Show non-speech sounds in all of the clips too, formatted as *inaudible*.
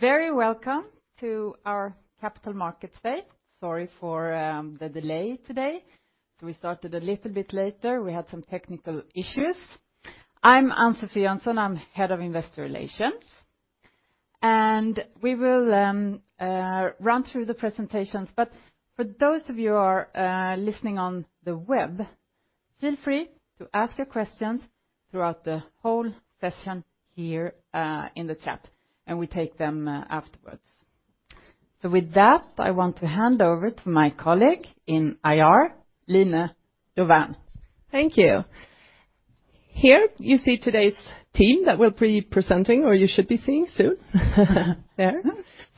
Very welcome to our Capital Markets Day. Sorry for the delay today. We started a little bit later. We had some technical issues. I'm Ann-Sofi Jönsson, Head of Investor Relations. We will run through the presentations. For those of you who are listening on the web, feel free to ask your questions throughout the whole session here in the chat. We take them afterwards. With that, I want to hand over to my colleague in IR, Line Dovärn. Thank you. Here you see today's team that will be presenting or you should be seeing soon there.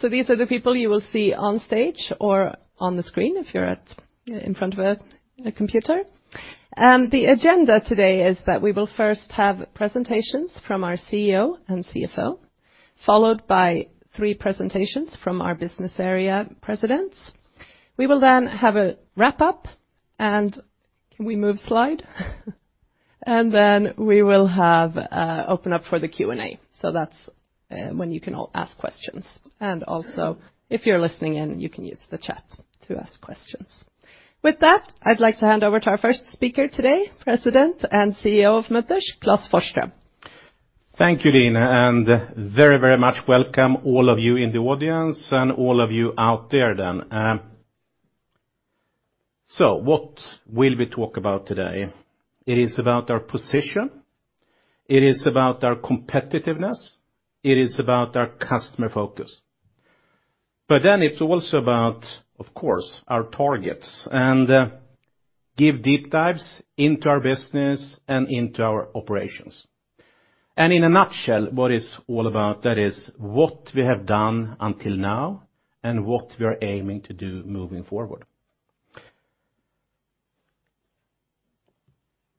These are the people you will see on stage or on the screen if you're at in front of a computer. The agenda today is that we will first have presentations from our CEO and CFO followed by three presentations from our business area presidents. We will then have a wrap-up, and can we move slide? We will have open up for the Q&A. That's when you can all ask questions. If you're listening in you can use the chat to ask questions. With that I'd like to hand over to our first speaker today President and CEO of Munters Klas Forsström. Thank you Line. Very very much welcome all of you in the audience and all of you out there then. What will we talk about today? It is about our position. It is about our competitiveness. It is about our customer focus. It's also about of course our targets and give deep dives into our business and into our operations. In a nutshell what it's all about that is what we have done until now and what we are aiming to do moving forward.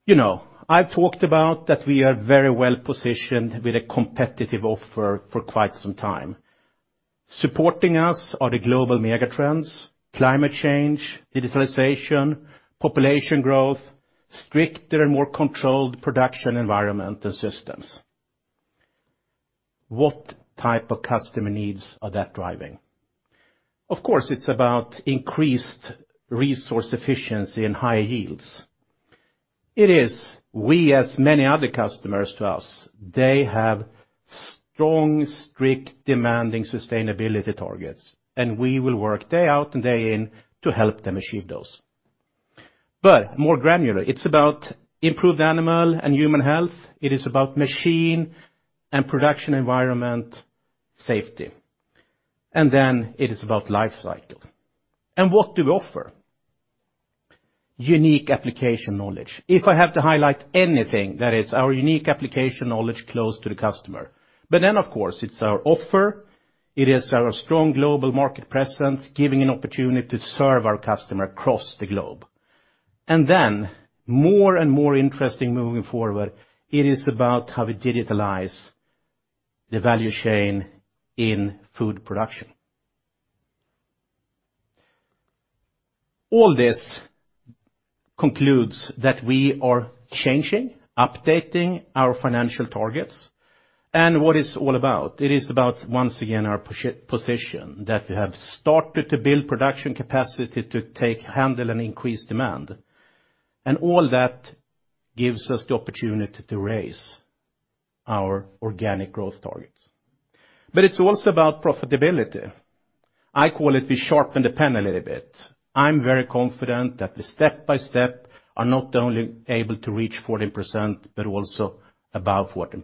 You know I've talked about that we are very well positioned with a competitive offer for quite some time. Supporting us are the global megatrends climate change digitalization population growth stricter and more controlled production environment and systems. What type of customer needs are that driving? Of course it's about increased resource efficiency and high yields. It is we as many other customers to us they have strong strict demanding sustainability targets and we will work day out and day in to help them achieve those. More granular it's about improved animal and human health. It is about machine and production environment safety. Then it is about life cycle. What do we offer? Unique application knowledge. If I have to highlight anything that is our unique application knowledge close to the customer. Then of course it's our offer. It is our strong global market presence giving an opportunity to serve our customer across the globe. Then more and more interesting moving forward it is about how we digitalize the value chain in food production. All this concludes that we are changing updating our financial targets. What it's all about? It is about once again our position that we have started to build production capacity to take handle and increase demand. All that gives us the opportunity to raise our organic growth targets. It's also about profitability. I call it we sharpen the pen a little bit. I'm very confident that we step by step are not only able to reach 14% but also above 14%.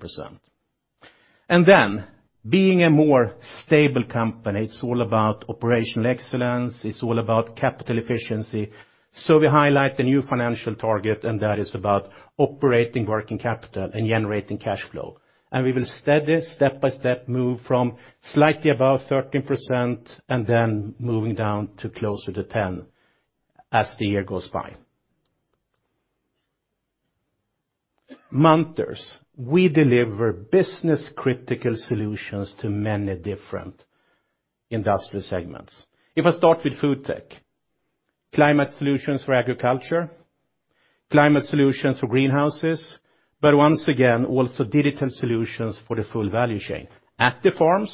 Being a more stable company it's all about operational excellence. It's all about capital efficiency. We highlight the new financial target and that is about operating working capital and generating cash flow. We will steady step by step move from slightly above 13% and then moving down to closer to 10% as the year goes by. Munters we deliver business critical solutions to many different industrial segments. If I start with FoodTech climate solutions for agriculture climate solutions for greenhouses. Once again also digital solutions for the full value chain. At the farms,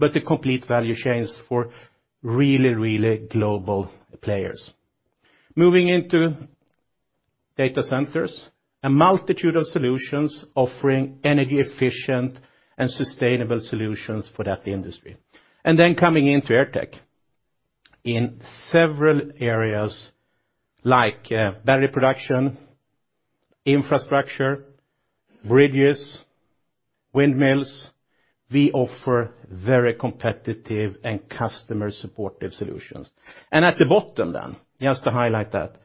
the complete value chains for really really global players. Moving into data centers a multitude of solutions offering energy efficient and sustainable solutions for that industry. Coming into AirTech in several areas like battery production infrastructure bridges windmills we offer very competitive and customer supportive solutions. At the bottom just to highlight that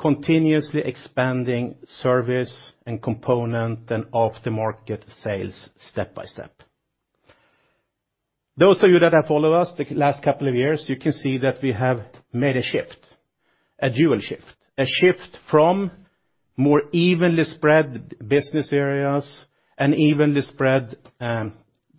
continuously expanding service and component and off the market sales step by step. Those of you that have followed us the last couple of years you can see that we have made a shift a dual shift. A shift from more evenly spread business areas and evenly spread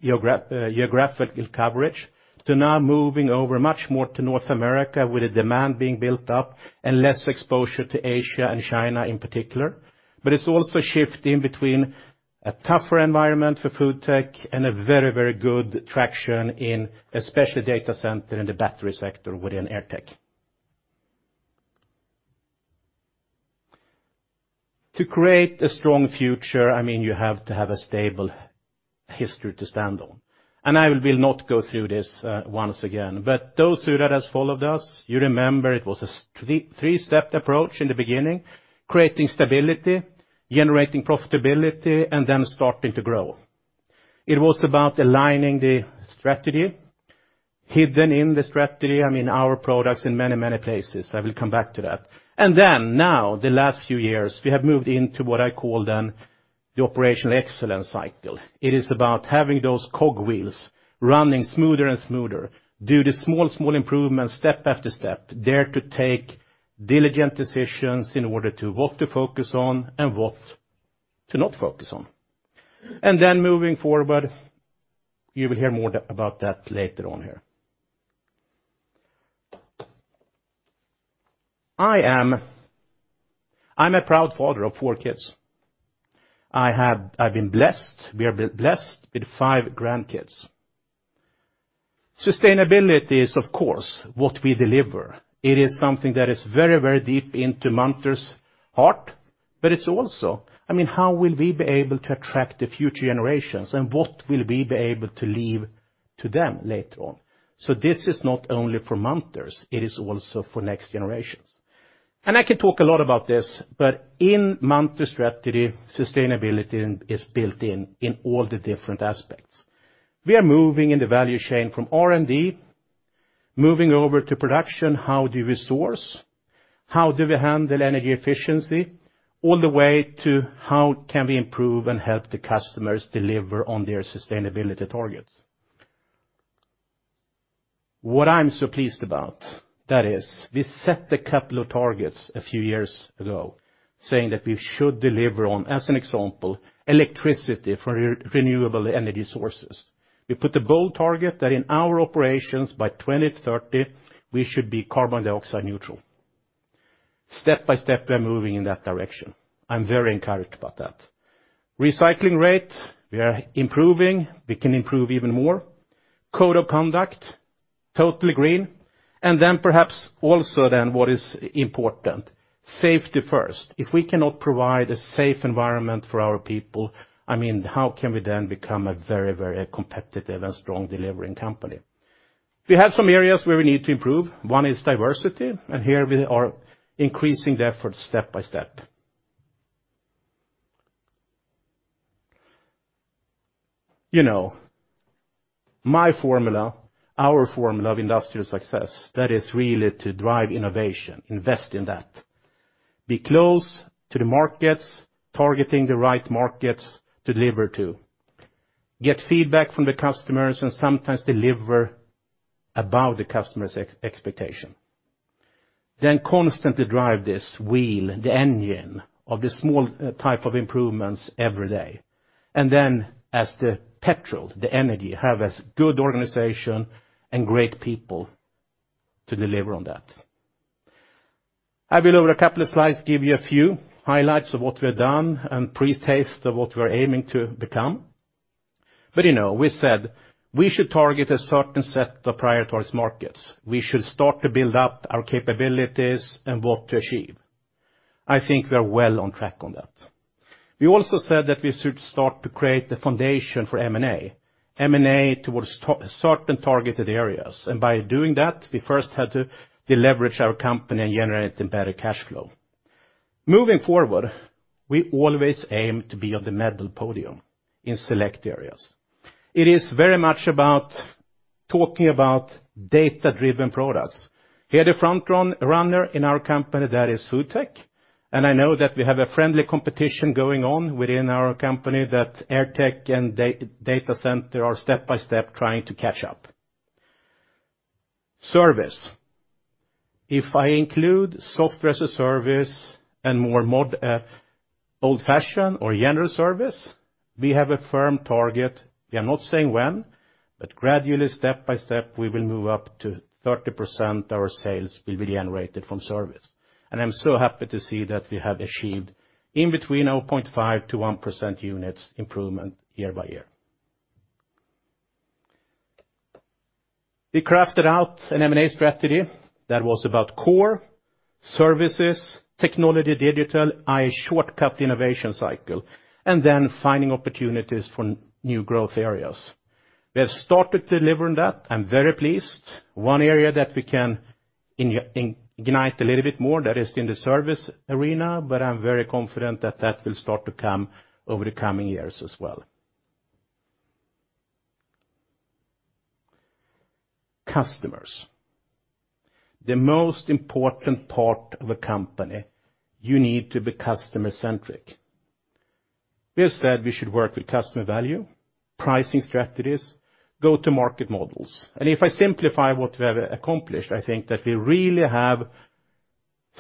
geographical coverage to now moving over much more to North America with the demand being built up and less exposure to Asia and China in particular. It's also shift in between a tougher environment for FoodTech and a very good traction in especially data center and the battery sector within AirTech. To create a strong future I mean you have to have a stable history to stand on. I will not go through this once again. Those of you that have followed us you remember it was a three-step approach in the beginning. Creating stability generating profitability and then starting to grow. It was about aligning the strategy hidden in the strategy I mean our products in many places. I will come back to that. Now the last few years we have moved into what I call the operational excellence cycle. It is about having those cogwheels running smoother and smoother. Do the small improvements step after step. Dare to take diligent decisions in order to what to focus on and what to not focus on. Moving forward you will hear more about that later on here. I'm a proud father of 4 kids. I've been blessed we are blessed with 5 grandkids. Sustainability is of course what we deliver. It is something that is very deep into Munters' heart. I mean how will we be able to attract the future generations and what will we be able to leave to them later on. This is not only for Munters it is also for next generations. I can talk a lot about this but in Munters' strategy sustainability is built in all the different aspects. We are moving in the value chain from R&D moving over to production how do we source how do we handle energy efficiency all the way to how can we improve and help the customers deliver on their sustainability targets. What I'm so pleased about that is we set a couple of targets a few years ago saying that we should deliver on as an example electricity from renewable energy sources. We put a bold target that in our operations by 2030 we should be carbon dioxide neutral. Step by step we are moving in that direction. I'm very encouraged about that. Recycling rate we are improving we can improve even more. Code of conduct totally green and then perhaps also then what is important safety first. If we cannot provide a safe environment for our people, I mean, how can we then become a very very competitive and strong delivering company? We have some areas where we need to improve. One is diversity, and here we are increasing the efforts step by step. You know, our formula of industrial success that is really to drive innovation, invest in that. Be close to the markets targeting the right markets to deliver to. Get feedback from the customers and sometimes deliver above the customer's expectation. Constantly drive this wheel, the engine of the small type of improvements every day. As the petrol, the energy, have a good organization and great people to deliver on that. I will over a couple of slides give you a few highlights of what we have done and pre-taste of what we are aiming to become. You know we said we should target a certain set of priorities markets. We should start to build up our capabilities and what to achieve. I think we are well on track on that. We also said that we should start to create the foundation for M&A. M&A towards certain targeted areas and by doing that we first had to deleverage our company and generate embedded cash flow. Moving forward we always aim to be on the medal podium in select areas. It is very much about talking about data-driven products. Here, the front runner in our company that is FoodTech and I know that we have a friendly competition going on within our company that AirTech and Data Center are step by step trying to catch up. Service. If I include software as a service and more mod old-fashioned or general service we have a firm target we are not saying when but gradually step by step we will move up to 30% our sales will be generated from service. I'm so happy to see that we have achieved in between 0.5%-1% units improvement year by year. We crafted out an M&A strategy that was about core services technology digital a shortcut innovation cycle and then finding opportunities for new growth areas. We have started delivering that I'm very pleased. One area that we can ignite a little bit more that is in the service arena but I'm very confident that that will start to come over the coming years as well. Customers. The most important part of a company you need to be customer-centric. We have said we should work with customer value pricing strategies go-to-market models. If I simplify what we have accomplished, I think that we really have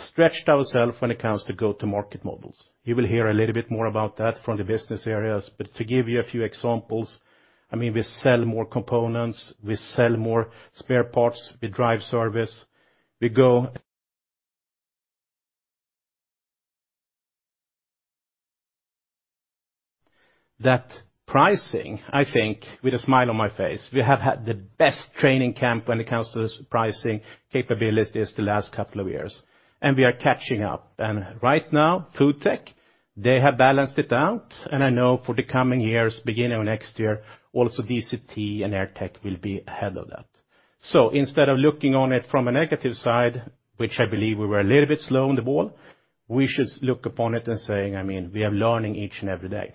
stretched ourselves when it comes to go-to-market models. You will hear a little bit more about that from the Business Areas, but to give you a few examples, I mean, we sell more components, we sell more spare parts, we drive service, we go that pricing. I think with a smile on my face, we have had the best training camp when it comes to this pricing capability is the last couple of years. We are catching up, and right now FoodTech, they have balanced it out, and I know for the coming years, beginning of next year, also DCT and AirTech will be ahead of that. Instead of looking on it from a negative side, which I believe we were a little bit slow on the ball, we should look upon it and saying, I mean, we are learning each and every day.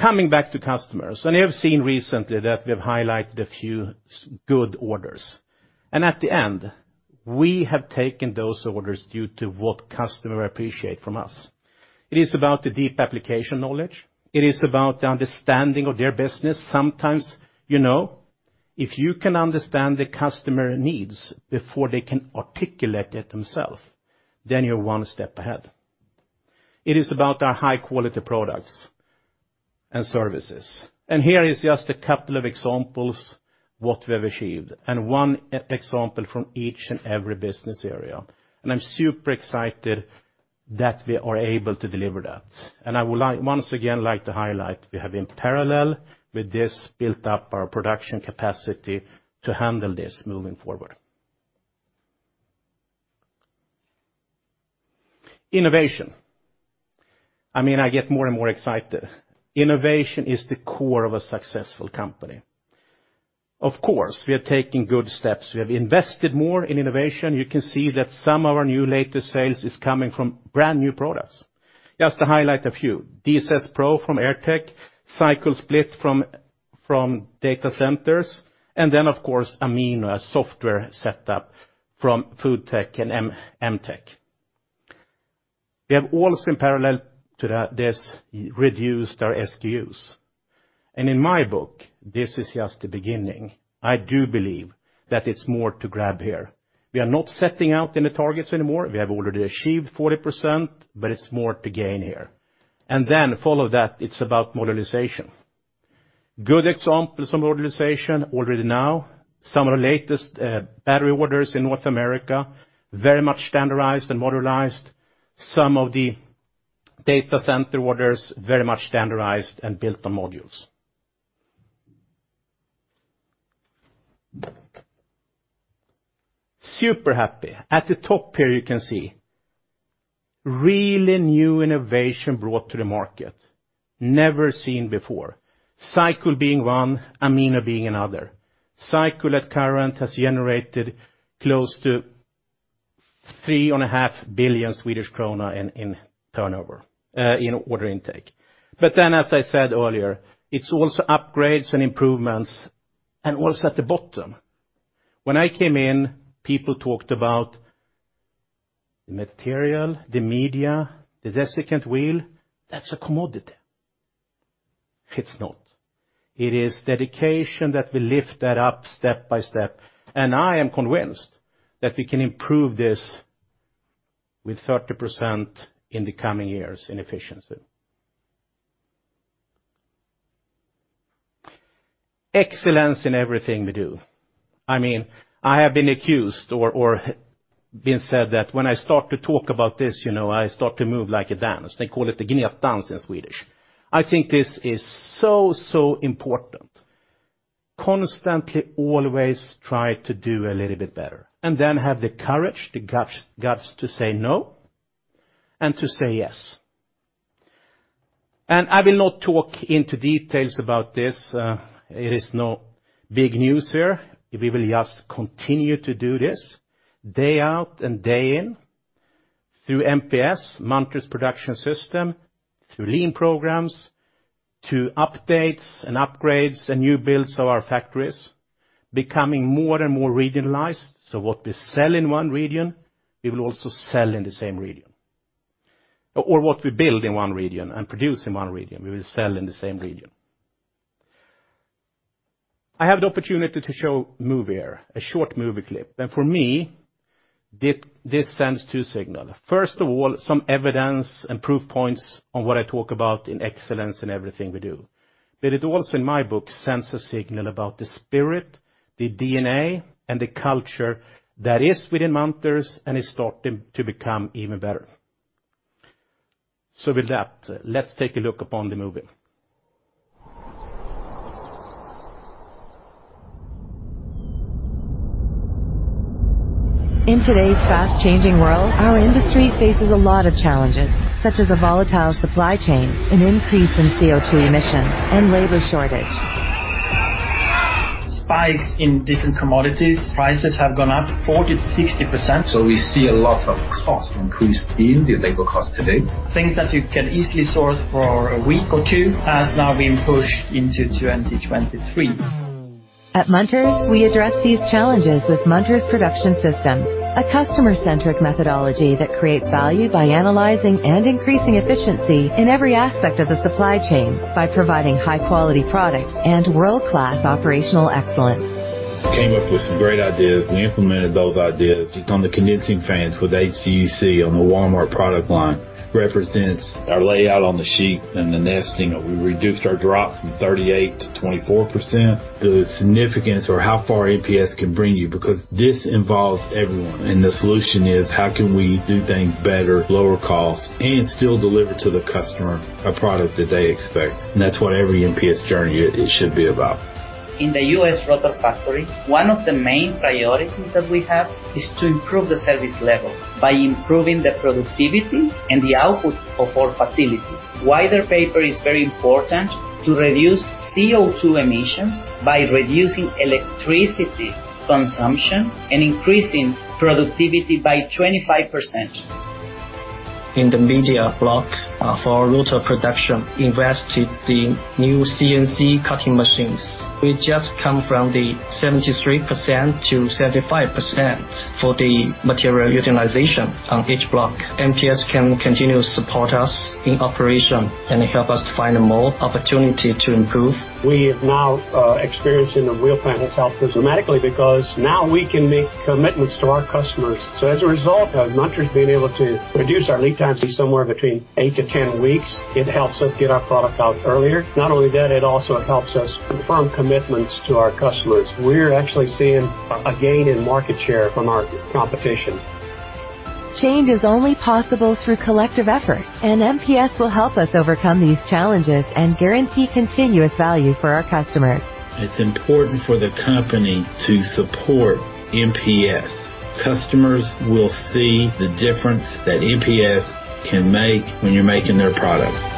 Coming back to customers, I have seen recently that we have highlighted a few good orders. At the end, we have taken those orders due to what customer appreciate from us. It is about the deep application knowledge. It is about the understanding of their business. Sometimes, you know, if you can understand the customer needs before they can articulate it themselves, then you're one step ahead. It is about our high-quality products and services. Here is just a couple of examples what we have achieved, and one example from each and every business area. I'm super excited that we are able to deliver that. I would like once again to highlight we have in parallel with this built up our production capacity to handle this moving forward. Innovation. I mean I get more and more excited. Innovation is the core of a successful company. Of course we are taking good steps we have invested more in innovation you can see that some of our new latest sales is coming from brand new products. Just to highlight a few DSS Pro from AirTech SyCool Split from data centers and then of course Amino software setup from FoodTech and MTech Systems. We have also in parallel to that this reduced our SKUs. In my book this is just the beginning. I do believe that it's more to grab here. We are not setting out in the targets anymore we have already achieved 40% but it's more to gain here. Follow that it's about modernization. Good examples of modernization already now some of the latest battery orders in North America very much standardized and modernized some of the data center orders very much standardized and built on modules. Super happy at the top here you can see really new innovation brought to the market never seen before. SyCool being one Amino being another. SyCool at current has generated close to 3.5 billion Swedish krona in turnover in order intake. As I said earlier it's also upgrades and improvements and also at the bottom. When I came in people talked about the material the media the desiccant wheel that's a commodity. It's not. It is dedication that we lift that up step by step and I am convinced that we can improve this with 30% in the coming years in efficiency. Excellence in everything we do. I mean I have been accused or been said that when I start to talk about this you know I start to move like a dance they call it the gnetdans in Swedish. I think this is so so important. Constantly always try to do a little bit better and then have the courage the guts to say no and to say yes. I will not talk into details about this it is no big news here we will just continue to do this day out and day in through MPS Munters Production System through lean programs to updates and upgrades and new builds of our factories becoming more and more regionalized so what we sell in one region we will also sell in the same region. What we build in one region and produce in one region we will sell in the same region. I have the opportunity to show movie air a short movie clip. For me this sends two signals. First of all some evidence and proof points on what I talk about in excellence in everything we do. It also in my book sends a signal about the spirit, the DNA, and the culture that is within Munters and is starting to become even better. With that let's take a look upon the movie. In today's fast-changing world our industry faces a lot of challenges such as a volatile supply chain, an increase in CO2 emissions, and labor shortage. Spikes in different commodities prices have gone up 40%-60%. We see a lot of cost increase in the labor cost today. Things that you can easily source for a week or two has now been pushed into 2023. At Munters we address these challenges with Munters Production System a customer-centric methodology that creates value by analyzing and increasing efficiency in every aspect of the supply chain by providing high-quality products and world-class operational excellence. Came up with some great ideas we implemented those ideas become the condensing fans for the HCUc on the Walmart product line represents our layout on the sheet and the nesting we reduced our drop from 38% to 24% the significance or how far MPS can bring you because this involves everyone and the solution is how can we do things better lower costs and still deliver to the customer a product that they expect and that's what every MPS journey it should be about. In the U.S. Rotor Factory one of the main priorities that we have is to improve the service level by improving the productivity and the output of our facility. Wider paper is very important to reduce CO2 emissions by reducing electricity consumption and increasing productivity by 25%. In the media block for our rotor production invested the new CNC cutting machines. We just come from the 73%-75% for the material utilization on each block. MPS can continue to support us in operation and help us find more opportunity to improve. We are now experiencing the wheel plant itself dramatically because now we can make commitments to our customers. As a result of Munters being able to reduce our lead times somewhere between 8-10 weeks it helps us get our product out earlier. Not only that it also helps us confirm commitments to our customers. We're actually seeing a gain in market share from our competition. Change is only possible through collective effort. MPS will help us overcome these challenges and guarantee continuous value for our customers. It's important for the company to support MPS. Customers will see the difference that MPS can make when you're making their product.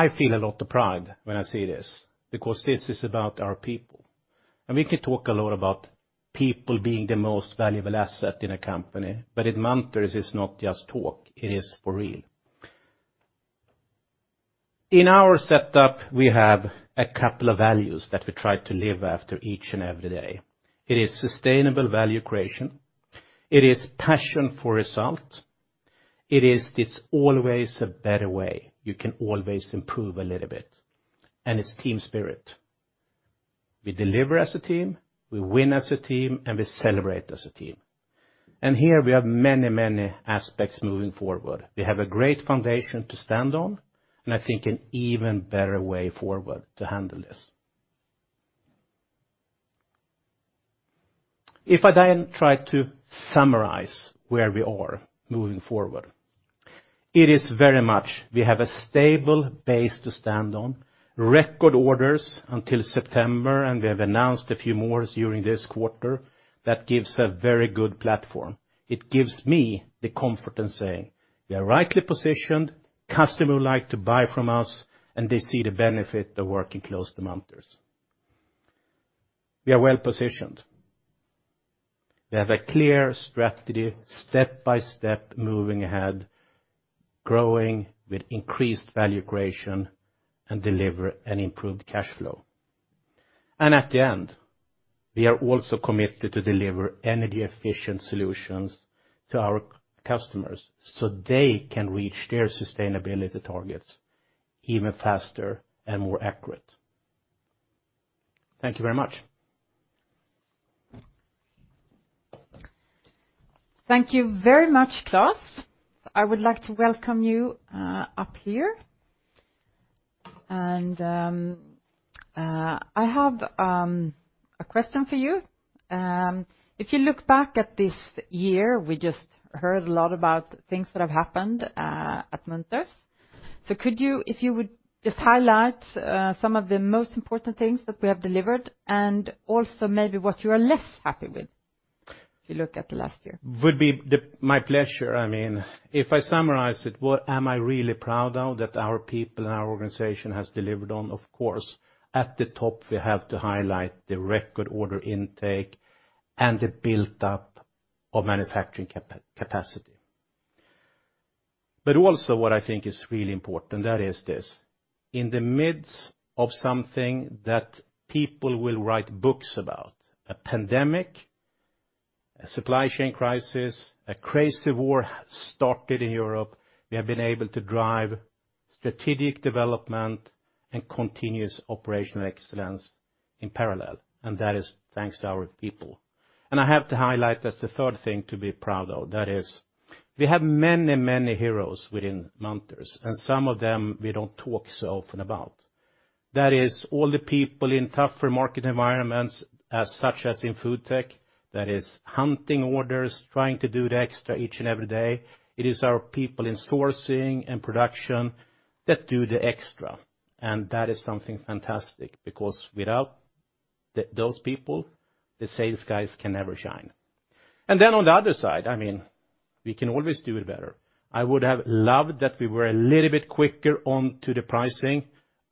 I feel a lot of pride when I see this because this is about our people. We can talk a lot about people being the most valuable asset in a company but at Munters it's not just talk it is for real. In our setup we have a couple of values that we try to live after each and every day. It is sustainable value creation. It is passion for result. It's always a better way you can always improve a little bit. It's team spirit. We deliver as a team, we win as a team, and we celebrate as a team. Here we have many many aspects moving forward. We have a great foundation to stand on and I think an even better way forward to handle this. If I try to summarize where we are moving forward, it is very much. We have a stable base to stand on, record orders until September, and we have announced a few more during this quarter that gives a very good platform. It gives me the comfort in saying we are rightly positioned. Customer would like to buy from us, and they see the benefit of working close to Munters. We are well positioned. We have a clear strategy step by step moving ahead, growing with increased value creation and deliver improved cash flow. At the end, we are also committed to deliver energy efficient solutions to our customers so they can reach their sustainability targets even faster and more accurate. Thank you very much. Thank you very much, Klas. I would like to welcome you up here. I have a question for you. If you look back at this year, we just heard a lot about things that have happened at Munters. Could you, if you would, just highlight some of the most important things that we have delivered and also maybe what you are less happy with if you look at the last year? Would be my pleasure. I mean, if I summarize it, what am I really proud of that our people and our organization has delivered on, of course, at the top, we have to highlight the record order intake and the built up of manufacturing capacity. What I think is really important, that is this in the midst of something that people will write books about, a pandemic, a supply chain crisis, a crazy war started in Europe, we have been able to drive strategic development and continuous operational excellence in parallel, and that is thanks to our people. I have to highlight as the third thing to be proud of, that is, we have many, many heroes within Munters, and some of them we don't talk so often about. That is all the people in tougher market environments such as in FoodTech that is hunting orders, trying to do the extra each and every day. It is our people in sourcing and production that do the extra, and that is something fantastic because without those people the sales guys can never shine. On the other side I mean we can always do it better. I would have loved that we were a little bit quicker onto the pricing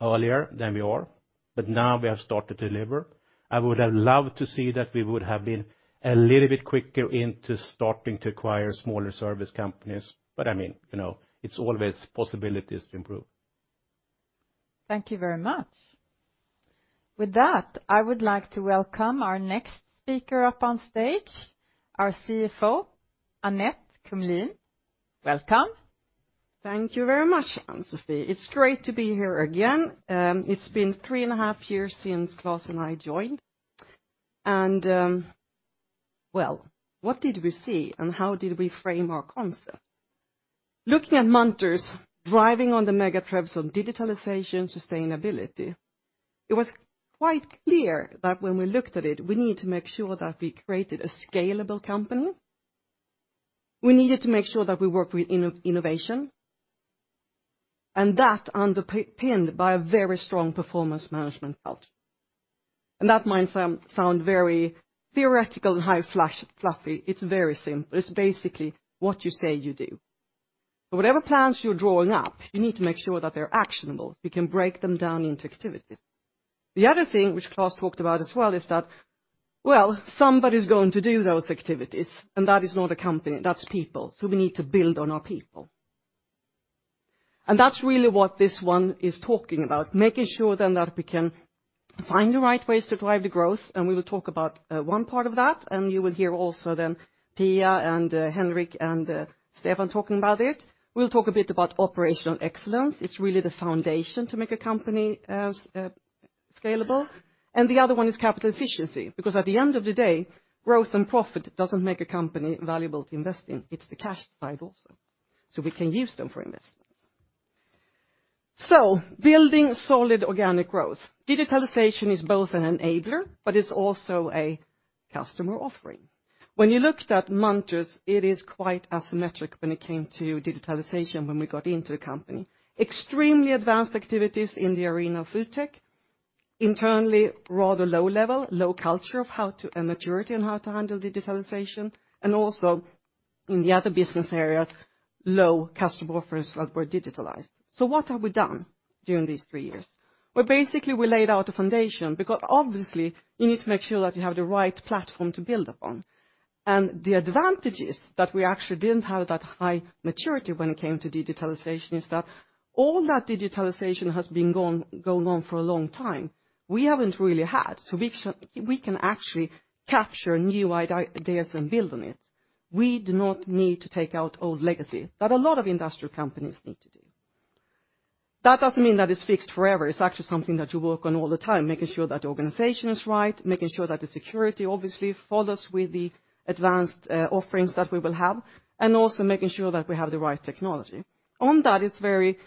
earlier than we are but now we have started to deliver. I would have loved to see that we would have been a little bit quicker into starting to acquire smaller service companies but I mean you know it's always possibilities to improve. Thank you very much. With that I would like to welcome our next speaker up on stage our CFO Annette Kumlien. Welcome. Thank you very much Ann-Sofi, it's great to be here again. It's been three and a half years since Klas and I joined. Well what did we see and how did we frame our concept? Looking at Munters driving on the megatrends of digitalization, sustainability, it was quite clear that when we looked at it, we need to make sure that we created a scalable company. We needed to make sure that we worked with innovation. That underpinned by a very strong performance management culture. That might sound very theoretical and high flash fluffy. It's very simple. It's basically what you say you do. Whatever plans you're drawing up you need to make sure that they're actionable. You can break them down into activities. The other thing which Klas talked about as well is that well somebody's going to do those activities. That is not a company, that's people. We need to build on our people. That's really what this one is talking about making sure then that we can find the right ways to drive the growth and we will talk about one part of that and you will hear also then Pia and Henrik and Stefan talking about it. We'll talk a bit about operational excellence. It's really the foundation to make a company scalable. The other one is capital efficiency because at the end of the day growth and profit doesn't make a company valuable to invest in. It's the cash side also so we can use them for investments. Building solid organic growth. Digitalization is both an enabler but it's also a customer offering. When you looked at Munters it is quite asymmetric when it came to digitalization when we got into the company extremely advanced activities in the arena of FoodTech internally rather low level low culture of how to a maturity and how to handle digitalization and also in the other business areas low customer offers that were digitalized. What have we done during these three years? Well basically we laid out a foundation because obviously you need to make sure that you have the right platform to build upon. The advantages that we actually didn't have that high maturity when it came to digitalization is that all that digitalization has been going on for a long time we haven't really had so we can actually capture new ideas and build on it. We do not need to take out old legacy that a lot of industrial companies need to do. That doesn't mean that it's fixed forever, it's actually something that you work on all the time, making sure that the organization is right, making sure that the security obviously follows with the advanced offerings that we will have and also making sure that we have the right technology. On that, it's very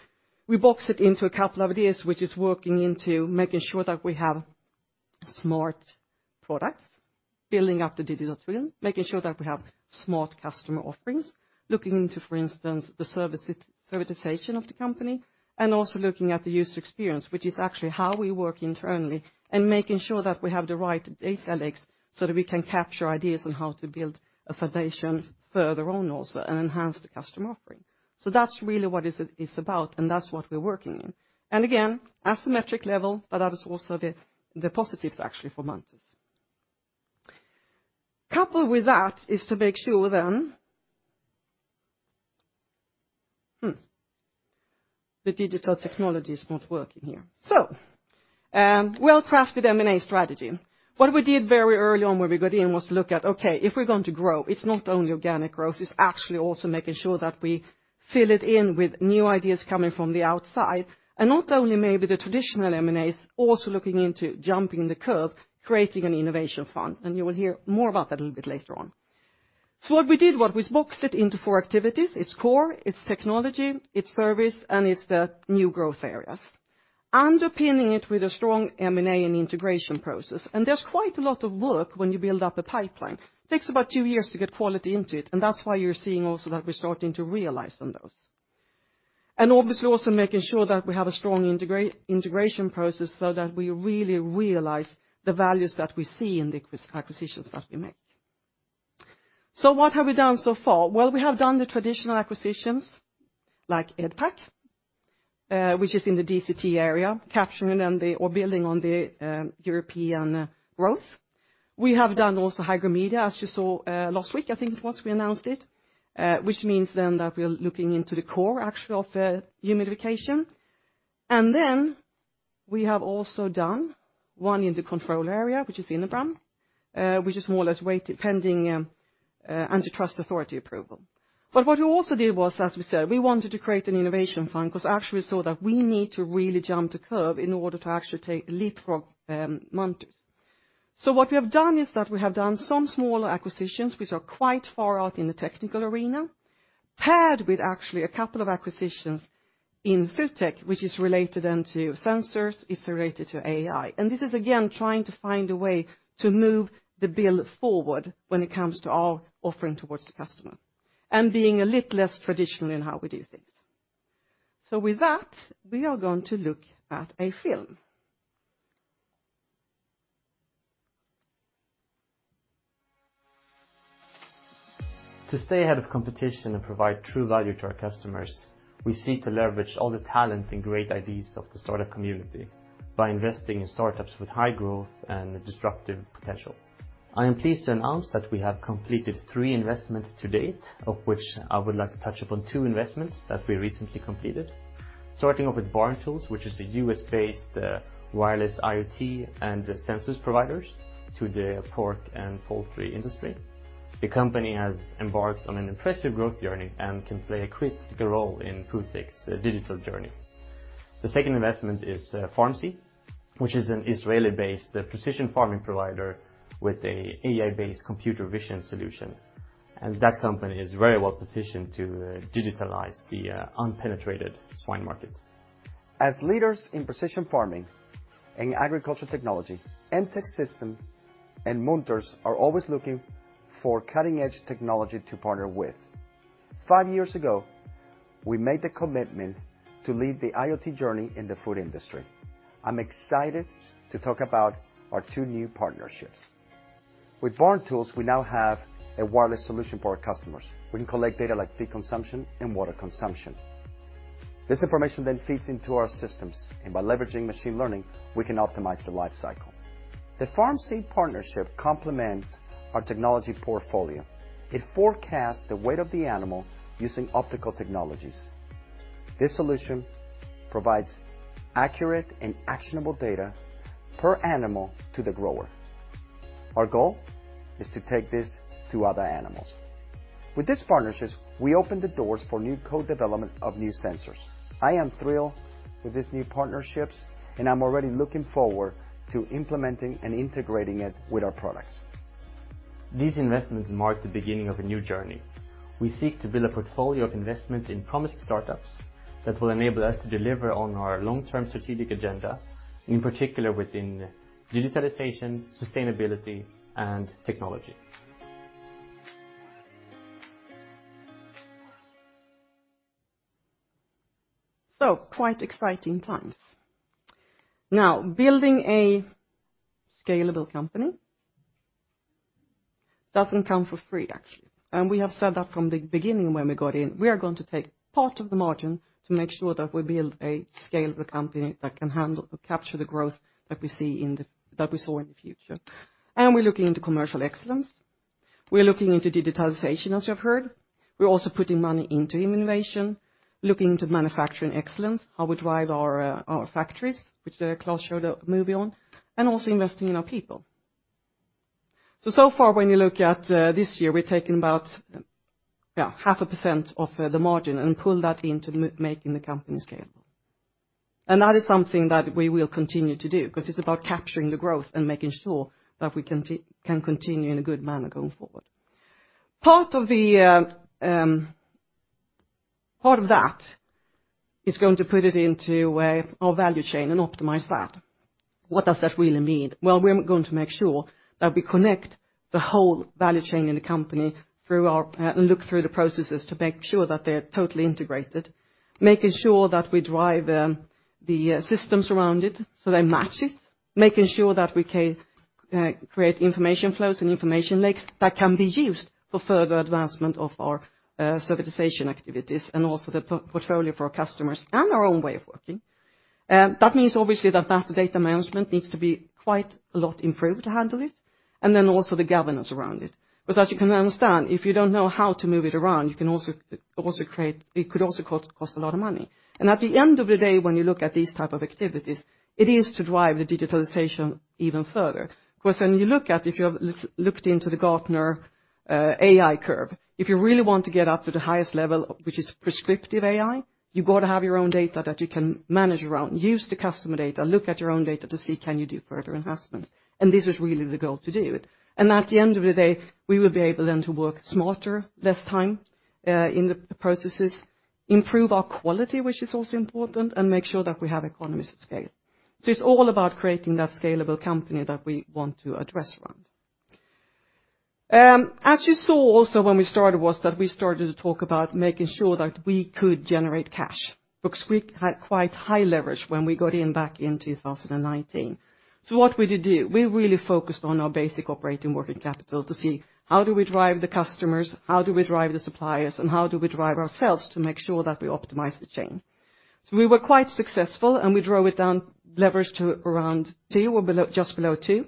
we box it into a couple of ideas which is working into making sure that we have smart products, building up the digital twin, making sure that we have smart customer offerings, looking into for instance the servitization of the company and also looking at the user experience which is actually how we work internally and making sure that we have the right data legs so that we can capture ideas on how to build a foundation further on also and enhance the customer offering. That's really what it's about and that's what we're working in. Again asymmetric level but that is also the positives actually for Munters. Coupled with that is to make sure then the digital technology is not working here. Well-crafted M&A strategy. What we did very early on when we got in was to look at, okay, if we're going to grow, it's not only organic growth. It's actually also making sure that we fill it in with new ideas coming from the outside and not only maybe the traditional M&As, also looking into jumping the curve, creating an innovation fund, and you will hear more about that a little bit later on. What we did, we boxed it into four activities: it's core, it's technology, it's service, and it's the new growth areas. Underpinning it with a strong M&A and integration process. There's quite a lot of work when you build up a pipeline. It takes about two years to get quality into it, and that's why you're seeing also that we're starting to realize on those. Obviously also making sure that we have a strong integration process so that we really realize the values that we see in the acquisitions that we make. What have we done so far? Well we have done the traditional acquisitions like EDPAC which is in the DCT area capturing or building on the European growth. We have done also Hygromedia as you saw last week I think it was we announced it which means then that we're looking into the core actually of humidification. Then we have also done one in the control area which is InoBram which is more or less weighted pending antitrust authority approval. What we also did was as we said we wanted to create an innovation fund because actually we saw that we need to really jump the curve in order to actually take a leap from Munters. What we have done is that we have done some smaller acquisitions which are quite far out in the technical arena paired with actually a couple of acquisitions in FoodTech which is related then to sensors, it's related to AI. This is again trying to find a way to move the bill forward when it comes to our offering towards the customer and being a little less traditional in how we do things. With that we are going to look at a film. To stay ahead of competition and provide true value to our customers we seek to leverage all the talent and great ideas of the startup community by investing in startups with high growth and disruptive potential. I am pleased to announce that we have completed three investments to date of which I would like to touch upon two investments that we recently completed. Starting off with Barn Tools which is a US-based wireless IoT and sensors providers to the pork and poultry industry. The company has embarked on an impressive growth journey and can play a critical role in FoodTech's digital journey. The second investment is FarmSee which is an Israeli-based precision farming provider with a AI-based computer vision solution. That company is very well positioned to digitalize the unpenetrated swine market. As leaders in precision farming and agriculture technology, MTech Systems and Munters are always looking for cutting-edge technology to partner with. Five years ago we made the commitment to lead the IoT journey in the food industry. I'm excited to talk about our two new partnerships. With Barn Tools we now have a wireless solution for our customers, we can collect data like feed consumption and water consumption. This information feeds into our systems and by leveraging machine learning we can optimize the life cycle. The FarmSee partnership complements our technology portfolio. It forecasts the weight of the animal using optical technologies. This solution provides accurate and actionable data per animal to the grower. Our goal is to take this to other animals. With this partnership we opened the doors for new co-development of new sensors. I am thrilled with these new partnerships and I'm already looking forward to implementing and integrating it with our products. These investments mark the beginning of a new journey. We seek to build a portfolio of investments in promising startups that will enable us to deliver on our long-term strategic agenda in particular within digitalization, sustainability, and technology. Quite exciting times. Building a scalable company doesn't come for free actually. We have said that from the beginning when we got in we are going to take part of the margin to make sure that we build a scalable company that can handle capture the growth that we saw in the future. We're looking into commercial excellence. We're looking into digitalization as you have heard. We're also putting money into innovation looking into manufacturing excellence how we drive our factories which Klas showed a movie on and also investing in our people. So far when you look at this year we're taking about half a percent of the margin and pull that into making the company scalable. That is something that we will continue to do because it's about capturing the growth and making sure that we can continue in a good manner going forward. Part of that is going to put it into our value chain and optimize that. What does that really mean? Well we're going to make sure that we connect the whole value chain in the company through our and look through the processes to make sure that they're totally integrated making sure that we drive the systems around it so they match it making sure that we create information flows and information lakes that can be used for further advancement of our servitization activities and also the portfolio for our customers and our own way of working. That means obviously that master data management needs to be quite a lot improved to handle it and then also the governance around it because as you can understand if you don't know how to move it around you can also create it could also cost a lot of money. At the end of the day when you look at these type of activities it is to drive the digitalization even further because then you look at if you have looked into the Gartner AI curve if you really want to get up to the highest level which is prescriptive AI you've got to have your own data that you can manage around use the customer data look at your own data to see can you do further enhancements and this is really the goal to do it. At the end of the day we will be able then to work smarter less time in the processes improve our quality which is also important and make sure that we have economies of scale. It's all about creating that scalable company that we want to address around. As you saw also when we started was that we started to talk about making sure that we could generate cash because we had quite high leverage when we got in back in 2019. What we did do we really focused on our basic operating working capital to see how do we drive the customers how do we drive the suppliers and how do we drive ourselves to make sure that we optimize the chain. We were quite successful and we drove it down leverage to around 2 or just below 2.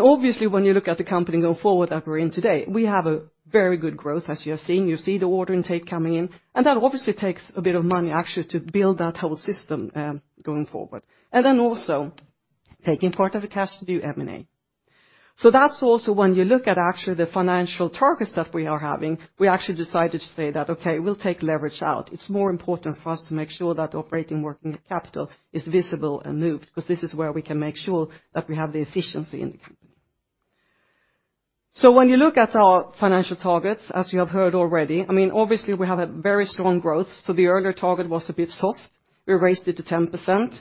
Obviously when you look at the company going forward that we're in today we have a very good growth as you are seeing you see the order intake coming in and that obviously takes a bit of money actually to build that whole system going forward and then also taking part of the cash to do M&A. That's also when you look at actually the financial targets that we are having we actually decided to say that okay we'll take leverage out it's more important for us to make sure that operating working capital is visible and moved because this is where we can make sure that we have the efficiency in the company. When you look at our financial targets as you have heard already, I mean obviously we have a very strong growth, so the earlier target was a bit soft, we raised it to 10%.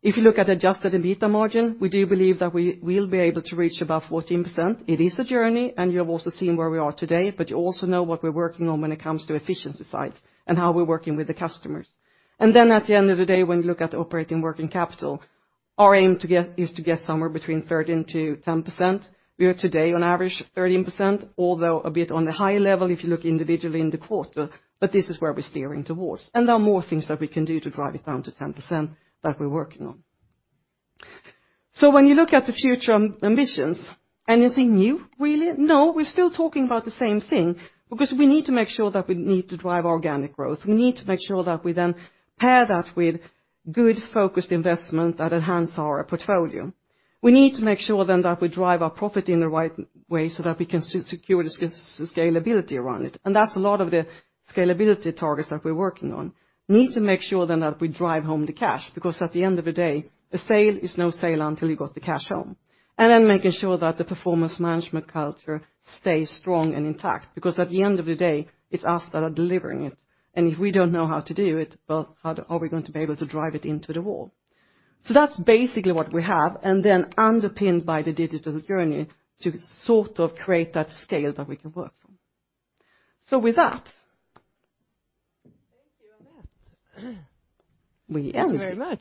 If you look at adjusted EBITDA margin, we do believe that we will be able to reach above 14%, it is a journey, and you have also seen where we are today, but you also know what we're working on when it comes to efficiency side and how we're working with the customers. At the end of the day when you look at operating working capital our aim is to get somewhere between 13%-10%. We are today on average 13%, although a bit on the high level if you look individually in the quarter, but this is where we're steering towards and there are more things that we can do to drive it down to 10% that we're working on. When you look at the future ambitions anything new really? No we're still talking about the same thing because we need to make sure that we need to drive organic growth we need to make sure that we then pair that with good focused investment that enhance our portfolio. We need to make sure that we drive our profit in the right way so that we can secure the scalability around it and that's a lot of the scalability targets that we're working on. Need to make sure that we drive home the cash because at the end of the day a sale is no sale until you got the cash home. Making sure that the performance management culture stays strong and intact because at the end of the day it's us that are delivering it and if we don't know how to do it well how are we going to be able to drive it into the wall. That's basically what we have and then underpinned by the digital journey to sort of create that scale that we can work from. With that. Thank you Annette. We end. Thank you very much.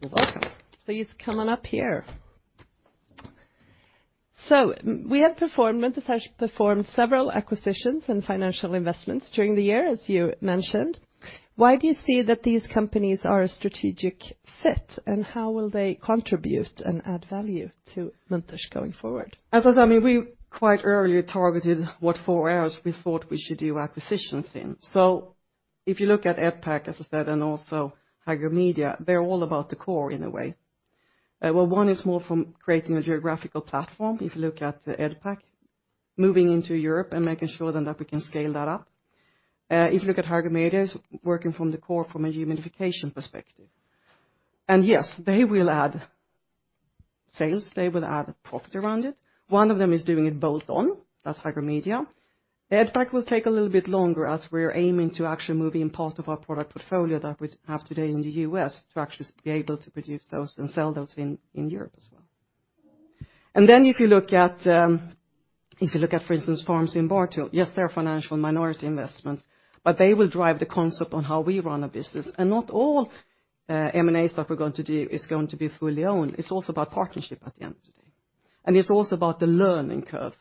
You're welcome. Please come on up here. Munters has performed several acquisitions and financial investments during the year as you mentioned. Why do you see that these companies are a strategic fit and how will they contribute and add value to Munters going forward? As I said I mean we quite early targeted what four areas we thought we should do acquisitions in. If you look at EDPAC as I said and also Hygromedia they're all about the core in a way. Well one is more from creating a geographical platform if you look at EDPAC moving into Europe and making sure then that we can scale that up. If you look at Hygromedia it's working from the core from a humidification perspective. Yes they will add sales they will add profit around it. One of them is doing it bolt-on that's Hygromedia. EDPAC will take a little bit longer as we're aiming to actually move in part of our product portfolio that we have today in the U.S. to actually be able to produce those and sell those in Europe as well. If you look at for instance FarmSee and BarnTools, yes, they're financial minority investments, but they will drive the concept on how we run a business, and not all M&As that we're going to do is going to be fully owned. It's also about partnership at the end of the day, and it's also about the learning curve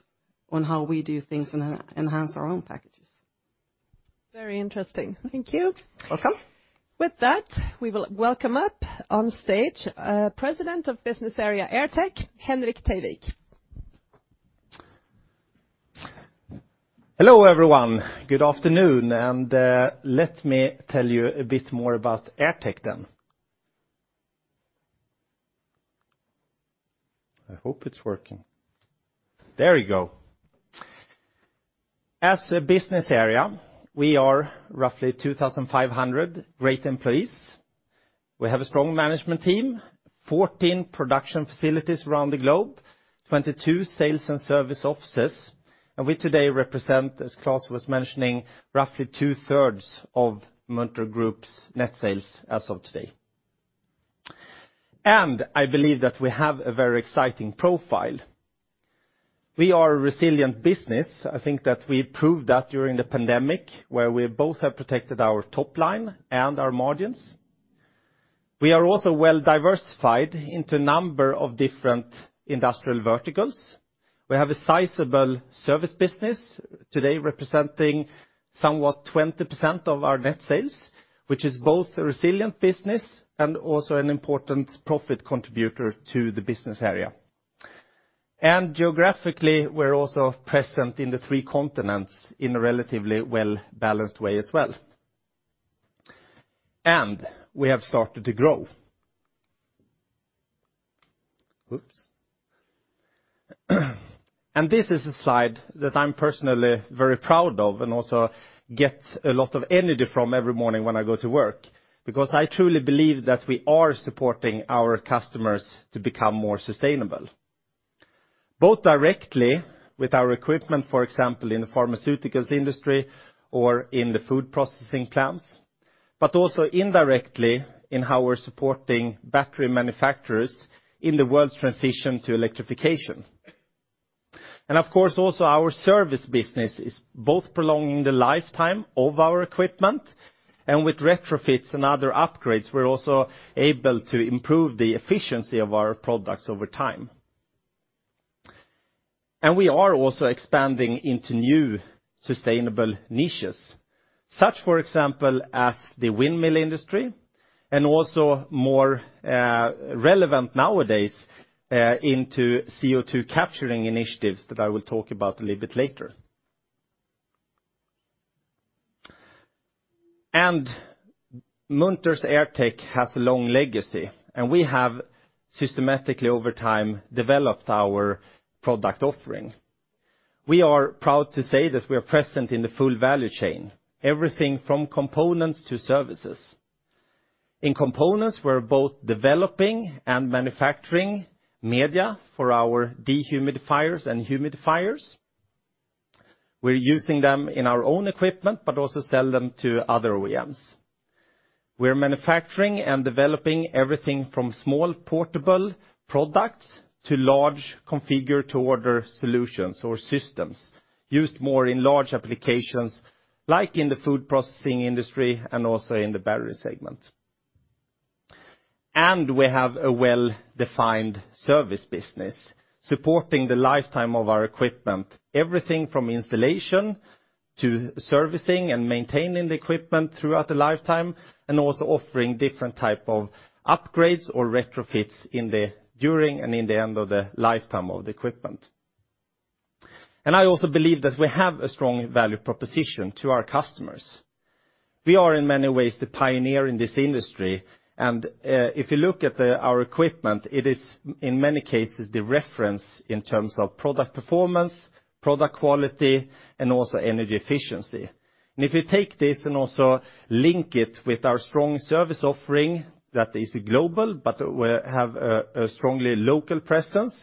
on how we do things and enhance our own packages. Very interesting. Thank you. Welcome. With that, we will welcome up on stage President of Business Area AirTech Henrik Teiwik. Hello everyone. Good afternoon. Let me tell you a bit more about AirTech then. I hope it's working. There you go. As a business area we are roughly 2,500 great employees. We have a strong management team 14 production facilities around the globe 22 sales and service offices and we today represent as Klas was mentioning roughly two-thirds of Munters Group's net sales as of today. I believe that we have a very exciting profile. We are a resilient business. I think that we proved that during the pandemic where we both have protected our top line and our margins. We are also well diversified into a number of different industrial verticals. We have a sizable service business today representing somewhat 20% of our net sales which is both a resilient business and also an important profit contributor to the business area. Geographically we're also present in the three continents in a relatively well balanced way as well. Oops. This is a slide that I'm personally very proud of and also get a lot of energy from every morning when I go to work because I truly believe that we are supporting our customers to become more sustainable. Both directly with our equipment for example in the pharmaceuticals industry or in the food processing plants but also indirectly in how we're supporting battery manufacturers in the world's transition to electrification. Of course also our service business is both prolonging the lifetime of our equipment and with retrofits and other upgrades we're also able to improve the efficiency of our products over time. We are also expanding into new sustainable niches such for example as the windmill industry and also more relevant nowadays into CO2 capturing initiatives that I will talk about a little bit later. Munters AirTech has a long legacy and we have systematically over time developed our product offering. We are proud to say that we are present in the full value chain everything from components to services. In components we're both developing and manufacturing media for our dehumidifiers and humidifiers. We're using them in our own equipment but also sell them to other OEMs. We're manufacturing and developing everything from small portable products to large configured-to-order solutions or systems used more in large applications like in the food processing industry and also in the battery segment. We have a well-defined service business supporting the lifetime of our equipment everything from installation to servicing and maintaining the equipment throughout the lifetime and also offering different type of upgrades or retrofits in the during and in the end of the lifetime of the equipment. I also believe that we have a strong value proposition to our customers. We are in many ways the pioneer in this industry and if you look at our equipment it is in many cases the reference in terms of product performance product quality and also energy efficiency. If you take this and also link it with our strong service offering that is global but we have a strongly local presence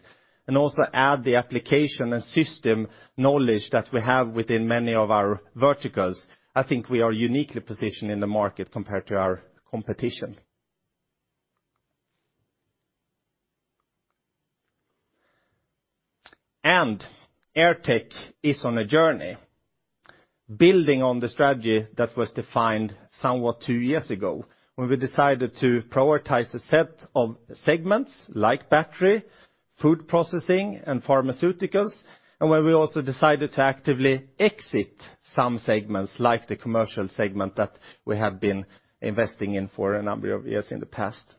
and also add the application and system knowledge that we have within many of our verticals I think we are uniquely positioned in the market compared to our competition. AirTech is on a journey building on the strategy that was defined somewhat two years ago when we decided to prioritize a set of segments like battery food processing and pharmaceuticals and when we also decided to actively exit some segments like the commercial segment that we have been investing in for a number of years in the past.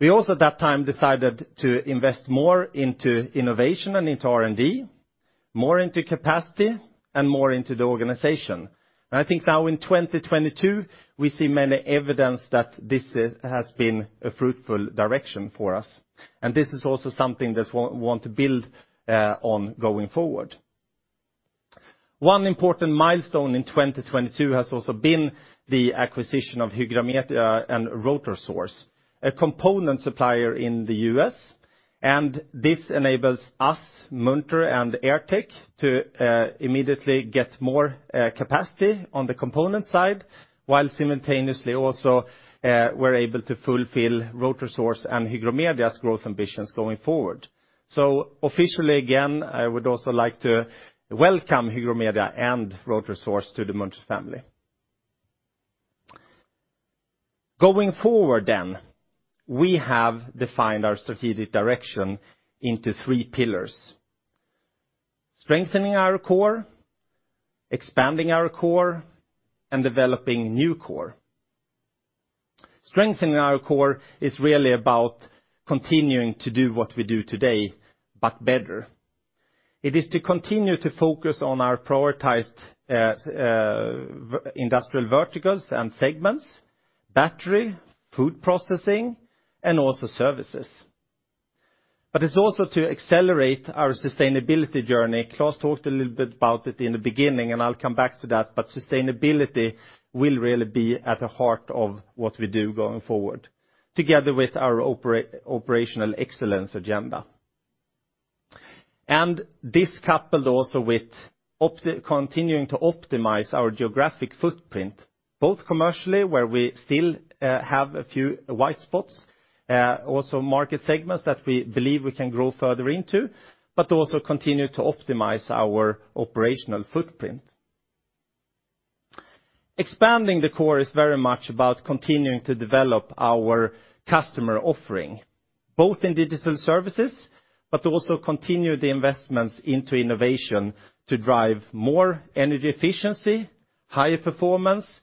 We also at that time decided to invest more into innovation and into R&D more into capacity and more into the organization. I think now in 2022 we see many evidence that this has been a fruitful direction for us and this is also something that we want to build on going forward. One important milestone in 2022 has also been the acquisition of Hygromedia and Rotor Source, a component supplier in the U.S., and this enables us Munters and AirTech to immediately get more capacity on the component side while simultaneously also we're able to fulfill Rotor Source and Hygromedia's growth ambitions going forward. Officially again, I would also like to welcome Hygromedia and Rotor Source to the Munters family. We have defined our strategic direction into three pillars: strengthening our core, expanding our core, and developing new core. Strengthening our core is really about continuing to do what we do today but better. It is to continue to focus on our prioritized industrial verticals and segments: battery, food processing, and also services. It's also to accelerate our sustainability journey. Klas talked a little bit about it in the beginning and I'll come back to that. Sustainability will really be at the heart of what we do going forward together with our operational excellence agenda. This coupled also with continuing to optimize our geographic footprint both commercially where we still have a few white spots also market segments that we believe we can grow further into but also continue to optimize our operational footprint. Expanding the core is very much about continuing to develop our customer offering both in digital services but also continue the investments into innovation to drive more energy efficiency, higher performance and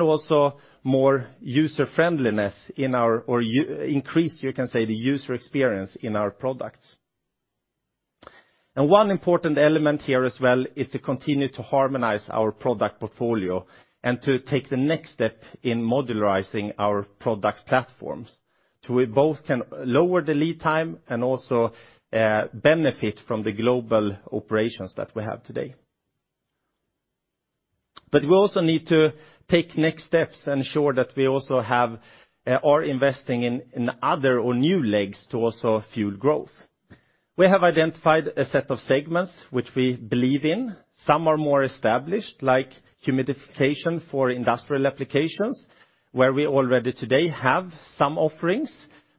also more user friendliness or increase you can say the user experience in our products. One important element here as well is to continue to harmonize our product portfolio and to take the next step in modularizing our product platforms so we both can lower the lead time and also benefit from the global operations that we have today. We also need to take next steps and ensure that we also are investing in other or new legs to also fuel growth. We have identified a set of segments which we believe in some are more established like humidification for industrial applications where we already today have some offerings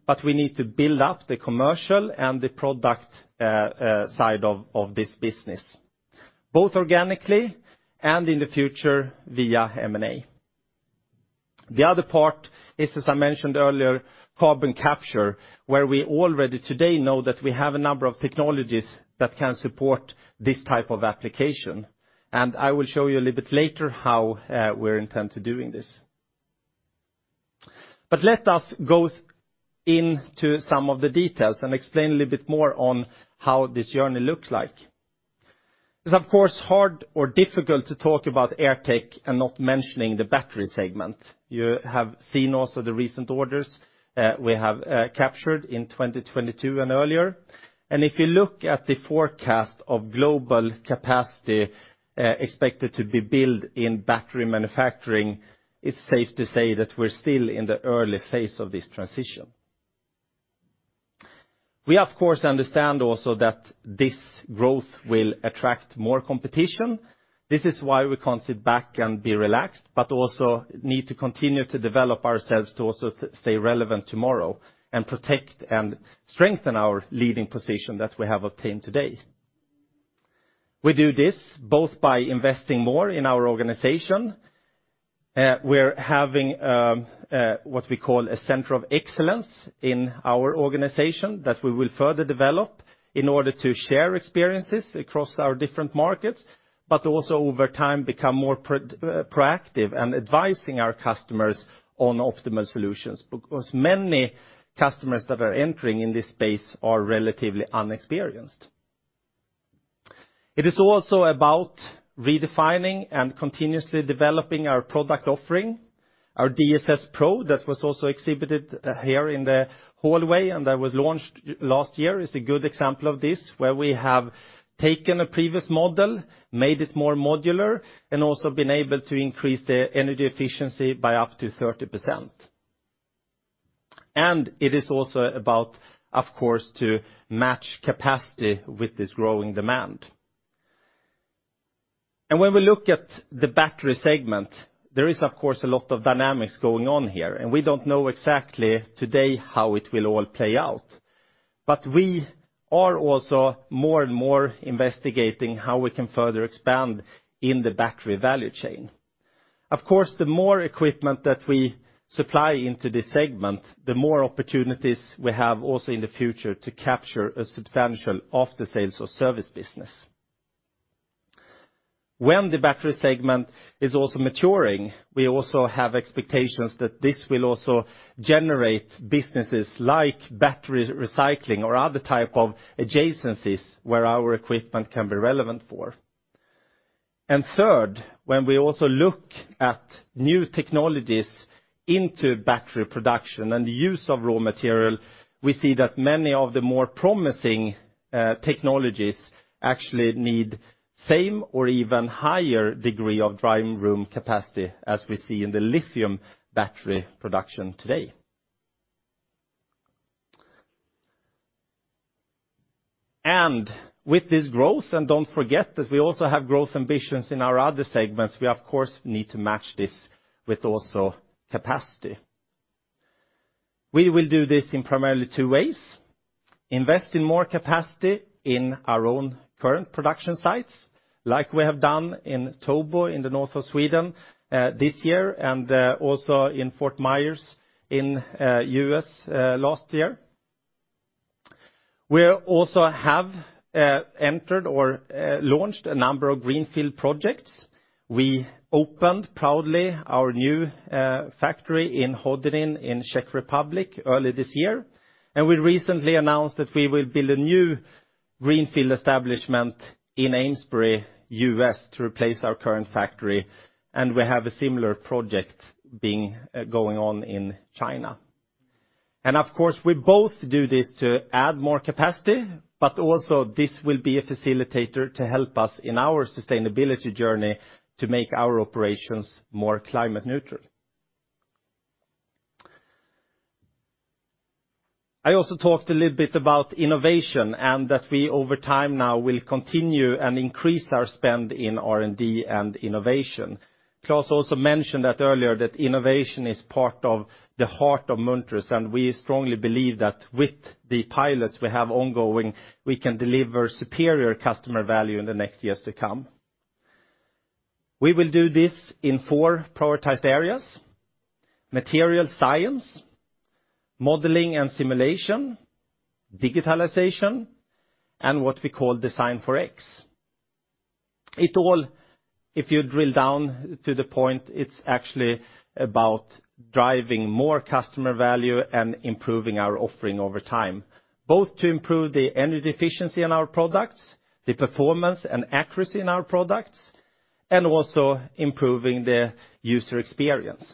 but we need to build up the commercial and the product side of this business both organically and in the future via M&A. The other part is as I mentioned earlier carbon capture where we already today know that we have a number of technologies that can support this type of application and I will show you a little bit later how we're intend to doing this. Let us go into some of the details and explain a little bit more on how this journey looks like. It's of course hard or difficult to talk about AirTech and not mentioning the battery segment. You have seen also the recent orders we have captured in 2022 and earlier and if you look at the forecast of global capacity expected to be built in battery manufacturing it's safe to say that we're still in the early phase of this transition. We of course understand also that this growth will attract more competition. This is why we can't sit back and be relaxed but also need to continue to develop ourselves to also stay relevant tomorrow and protect and strengthen our leading position that we have obtained today. We do this both by investing more in our organization. We're having what we call a center of excellence in our organization that we will further develop in order to share experiences across our different markets but also over time become more proactive and advising our customers on optimal solutions because many customers that are entering in this space are relatively inexperienced. It is also about redefining and continuously developing our product offering. Our DSS Pro that was also exhibited here in the hallway and that was launched last year is a good example of this where we have taken a previous model made it more modular and also been able to increase the energy efficiency by up to 30%. It is also about of course to match capacity with this growing demand. When we look at the battery segment there is of course a lot of dynamics going on here and we don't know exactly today how it will all play out but we are also more and more investigating how we can further expand in the battery value chain. Of course the more equipment that we supply into this segment the more opportunities we have also in the future to capture a substantial after-sales or service business. When the battery segment is also maturing, we also have expectations that this will also generate businesses like battery recycling or other type of adjacencies where our equipment can be relevant for. Third, when we also look at new technologies into battery production and the use of raw material, we see that many of the more promising technologies actually need same or even higher degree of drying room capacity as we see in the lithium battery production today. With this growth, and don't forget that we also have growth ambitions in our other segments, we of course need to match this with also capacity. We will do this in primarily two ways: invest in more capacity in our own current production sites like we have done in Tobo in the north of Sweden this year and also in Fort Myers in the U.S. last year. We also have entered or launched a number of greenfield projects we opened proudly our new factory in Hodonín in Czech Republic early this year and we recently announced that we will build a new greenfield establishment in Amesbury, U.S., to replace our current factory and we have a similar project going on in China. Of course we both do this to add more capacity but also this will be a facilitator to help us in our sustainability journey to make our operations more climate neutral. I also talked a little bit about innovation and that we over time now will continue and increase our spend in R&D and innovation. Klas also mentioned that earlier that innovation is part of the heart of Munters and we strongly believe that with the pilots we have ongoing we can deliver superior customer value in the next years to come. We will do this in four prioritized areas: material science, modeling and simulation, digitalization, and what we call Design for X. It all, if you drill down to the point, it's actually about driving more customer value and improving our offering over time, both to improve the energy efficiency in our products, the performance and accuracy in our products, and also improving the user experience.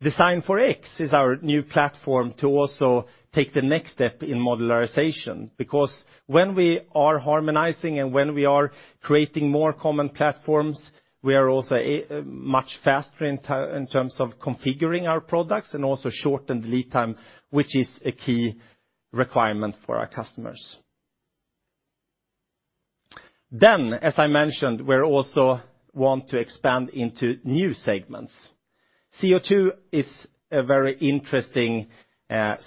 Design for X is our new platform to also take the next step in modularization, because when we are harmonizing and when we are creating more common platforms, we are also much faster in terms of configuring our products and also shortened lead time, which is a key requirement for our customers. As I mentioned, we also want to expand into new segments. CO2 is a very interesting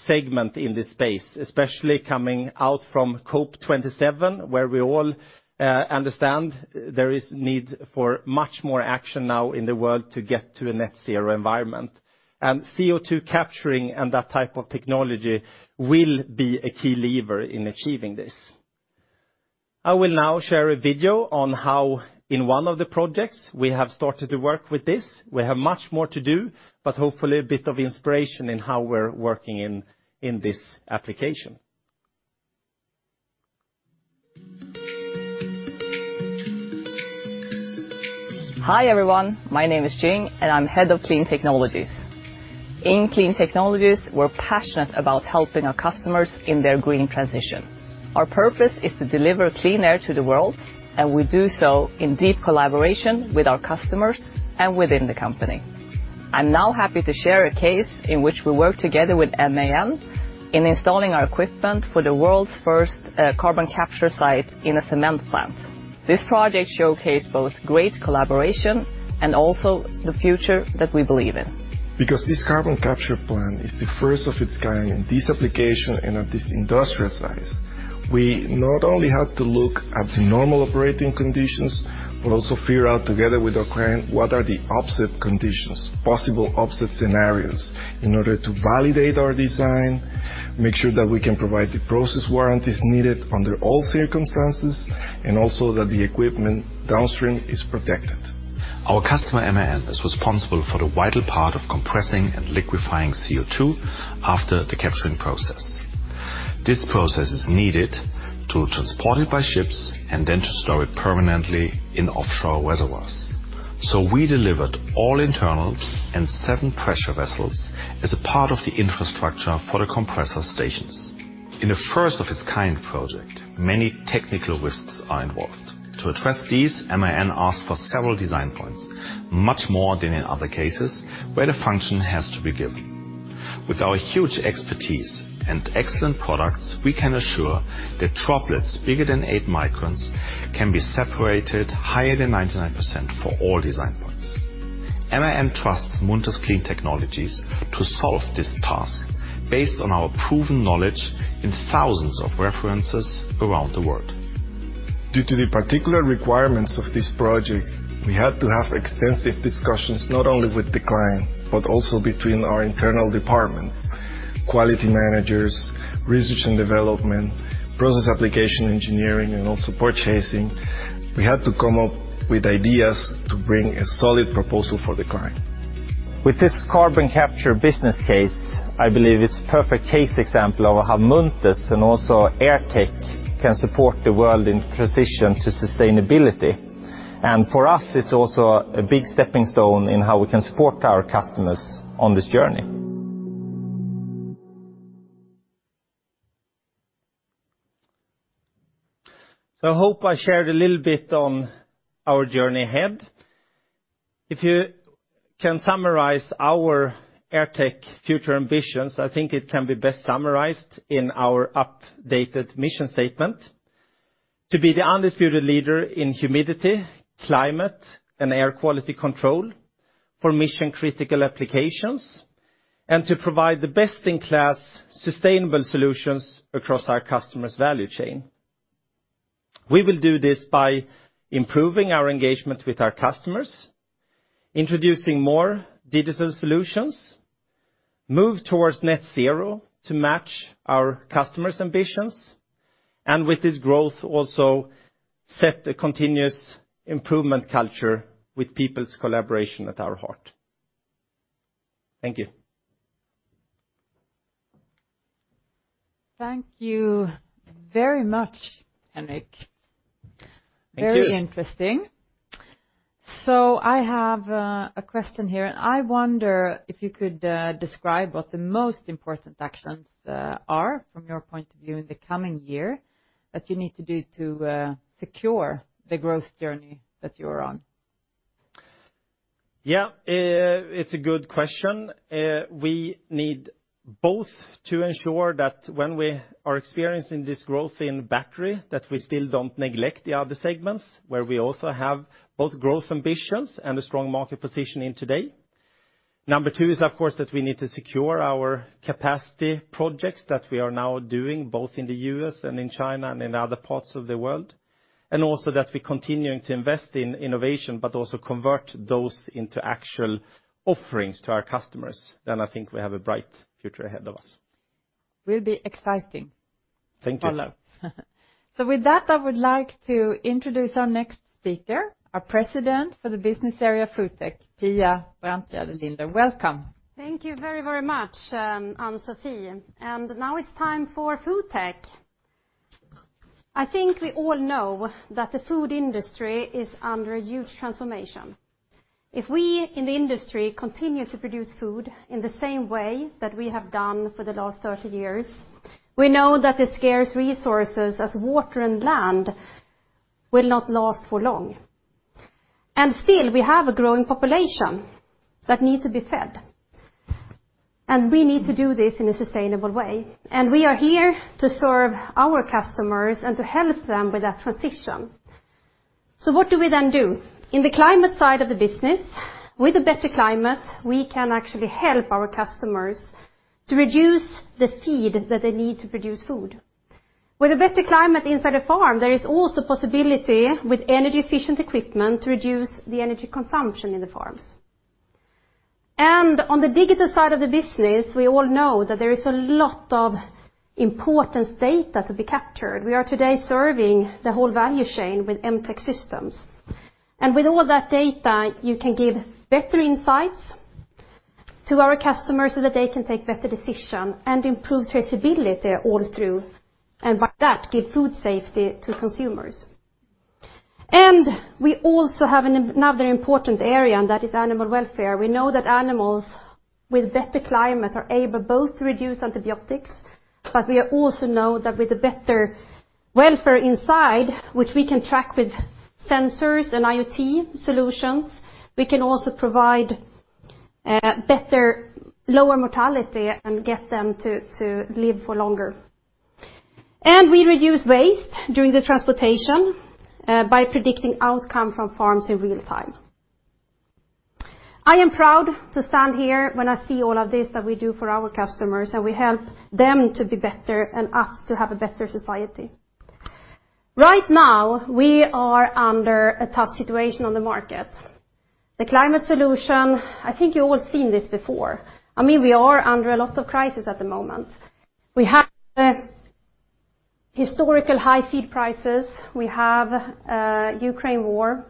segment in this space especially coming out from COP27 where we all understand there is need for much more action now in the world to get to a net zero environment and CO2 capturing and that type of technology will be a key lever in achieving this. I will now share a video on how in one of the projects we have started to work with this we have much more to do but hopefully a bit of inspiration in how we're working in this application. Hi everyone, my name is Jing and I'm head of Clean Technologies. In Clean Technologies, we're passionate about helping our customers in their green transition. Our purpose is to deliver clean air to the world and we do so in deep collaboration with our customers and within the company. I'm now happy to share a case in which we worked together with MAN in installing our equipment for the world's first carbon capture site in a cement plant. This project showcased both great collaboration and also the future that we believe in. This carbon capture plant is the first of its kind in this application and at this industrial size we not only had to look at the normal operating conditions but also figure out together with our client what are the offset conditions possible offset scenarios in order to validate our design make sure that we can provide the process warranties needed under all circumstances and also that the equipment downstream is protected. Our customer MAN was responsible for the vital part of compressing and liquefying CO2 after the capturing process. This process is needed to transport it by ships and then to store it permanently in offshore reservoirs. We delivered all internals and 7 pressure vessels as a part of the infrastructure for the compressor stations. In a first of its kind project many technical risks are involved. To address these MAN asked for several design points much more than in other cases where the function has to be given. With our huge expertise and excellent products we can assure that droplets bigger than 8 microns can be separated higher than 99% for all design points. MAN trusts Munters Clean Technologies to solve this task based on our proven knowledge in thousands of references around the world. Due to the particular requirements of this project, we had to have extensive discussions not only with the client but also between our internal departments: quality managers, research and development, process application engineering, and also purchasing. We had to come up with ideas to bring a solid proposal for the client. With this carbon capture business case I believe it's a perfect case example of how Munters and also AirTech can support the world in transition to sustainability. For us it's also a big stepping stone in how we can support our customers on this journey. I hope I shared a little bit on our journey ahead. If you can summarize our AirTech future ambitions I think it can be best summarized in our updated mission statement to be the undisputed leader in humidity climate and air quality control for mission critical applications and to provide the best in class sustainable solutions across our customers value chain. We will do this by improving our engagement with our customers introducing more digital solutions move towards net zero to match our customers ambitions and with this growth also set a continuous improvement culture with people's collaboration at our heart. Thank you. Thank you very much Jing. Very interesting. I have a question here and I wonder if you could describe what the most important actions are from your point of view in the coming year that you need to do to secure the growth journey that you're on? Yeah, it's a good question. We need both to ensure that when we are experiencing this growth in battery that we still don't neglect the other segments where we also have both growth ambitions and a strong market position in today. Number 2 is of course that we need to secure our capacity projects that we are now doing both in the U.S. and in China and in other parts of the world and also that we continue to invest in innovation but also convert those into actual offerings to our customers. I think we have a bright future ahead of us. Will be exciting. Thank you. With that I would like to introduce our next speaker, our President for the business area FoodTech, Pia Brantgärde Linder. Welcome. Thank you very very much Ann-Sofi. Now it's time for FoodTech. I think we all know that the food industry is under a huge transformation. If we in the industry continue to produce food in the same way that we have done for the last 30 years we know that the scarce resources as water and land will not last for long. Still we have a growing population that needs to be fed. We need to do this in a sustainable way and we are here to serve our customers and to help them with that transition. What do we then do in the climate side of the business with a better climate we can actually help our customers to reduce the feed that they need to produce food. With a better climate inside a farm there is also possibility with energy efficient equipment to reduce the energy consumption in the farms. On the digital side of the business we all know that there is a lot of important data to be captured we are today serving the whole value chain with MTech Systems. With all that data you can give better insights to our customers so that they can take better decisions and improve traceability all through and by that give food safety to consumers. We also have another important area and that is animal welfare we know that animals with better climate are able both to reduce antibiotics but we also know that with the better welfare inside which we can track with sensors and IoT solutions we can also provide better lower mortality and get them to live for longer. We reduce waste during the transportation by predicting outcome from farms in real time. I am proud to stand here when I see all of this that we do for our customers and we help them to be better and us to have a better society. Right now we are under a tough situation on the market. The climate solution I think you've all seen this before I mean we are under a lot of crisis at the moment. We have historical high feed prices we have Ukraine war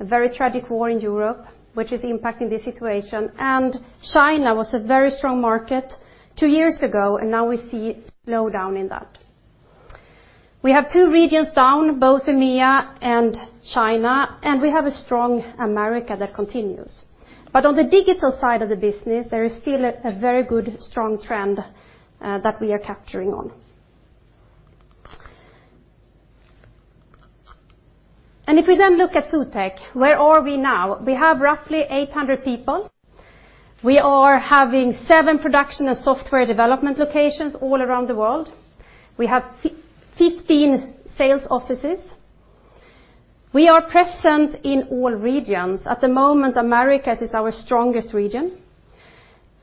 a very tragic war in Europe which is impacting this situation and China was a very strong market two years ago and now we see slowdown in that. We have two regions down both EMEA and China and we have a strong America that continues. On the digital side of the business there is still a very good strong trend that we are capturing on. If we look at FoodTech where are we now we have roughly 800 people we are having 7 production and software development locations all around the world we have 15 sales offices. We are present in all regions at the moment America is our strongest region.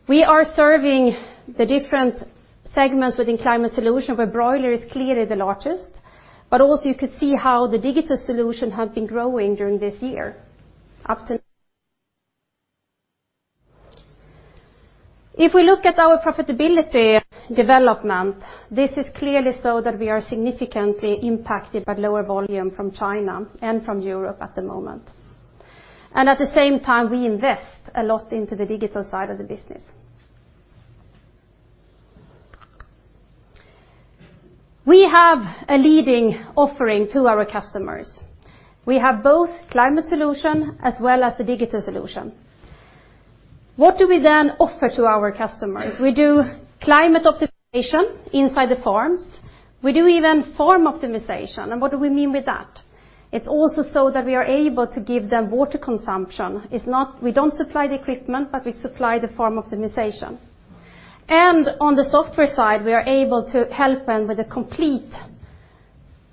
We are serving the different segments within climate solution where broiler is clearly the largest but also you could see how the digital solution has been growing during this year up to. If we look at our profitability development this is clearly so that we are significantly impacted by lower volume from China and from Europe at the moment. At the same time we invest a lot into the digital side of the business. We have a leading offering to our customers. We have both climate solution as well as the digital solution. What do we then offer to our customers? We do climate optimization inside the farms. We do even farm optimization. What do we mean with that? It's also so that we are able to give them water consumption. We don't supply the equipment, but we supply the farm optimization. On the software side we are able to help them with a complete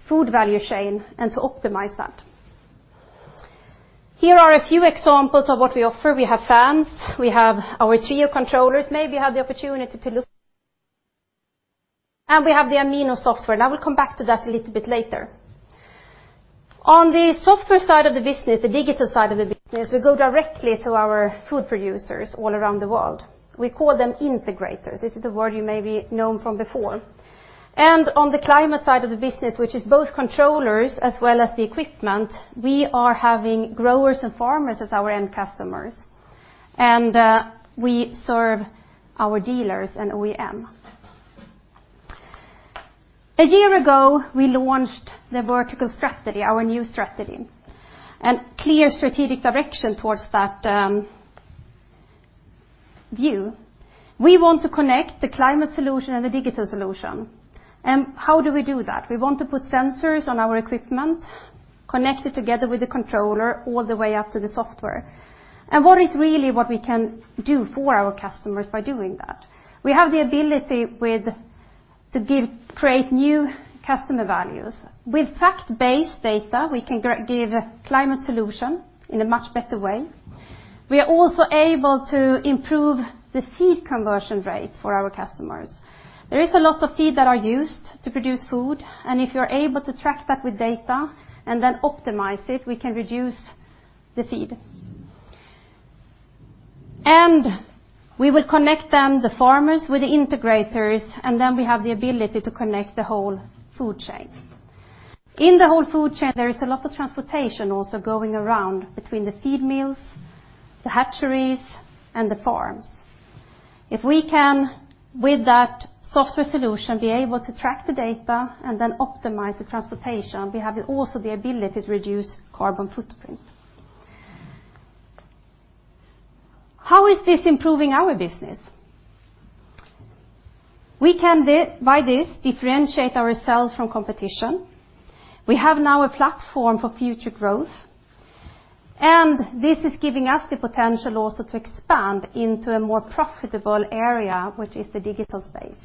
food value chain and to optimize that. Here are a few examples of what we offer. We have fans. We have our Trio controllers, maybe you had the opportunity to look. We have the Amino software and I will come back to that a little bit later. On the software side of the business the digital side of the business we go directly to our food producers all around the world. We call them integrators. This is a word you may be known from before. On the climate side of the business which is both controllers as well as the equipment we are having growers and farmers as our end customers and we serve our dealers and OEM. A year ago we launched the vertical strategy our new strategy and clear strategic direction towards that view. We want to connect the climate solution and the digital solution. How do we do that? We want to put sensors on our equipment connect it together with the controller all the way up to the software. What is really what we can do for our customers by doing that we have the ability with to give create new customer values with fact-based data we can give climate solution in a much better way. We are also able to improve the seed conversion rate for our customers. There is a lot of feed that are used to produce food and if you're able to track that with data and then optimize it we can reduce the feed. We will connect then the farmers with the integrators and then we have the ability to connect the whole food chain. In the whole food chain there is a lot of transportation also going around between the feed meals the hatcheries and the farms. If we can with that software solution be able to track the data and then optimize the transportation, we have also the ability to reduce carbon footprint. How is this improving our business? We can by this differentiate ourselves from competition, we have now a platform for future growth, and this is giving us the potential also to expand into a more profitable area which is the digital space.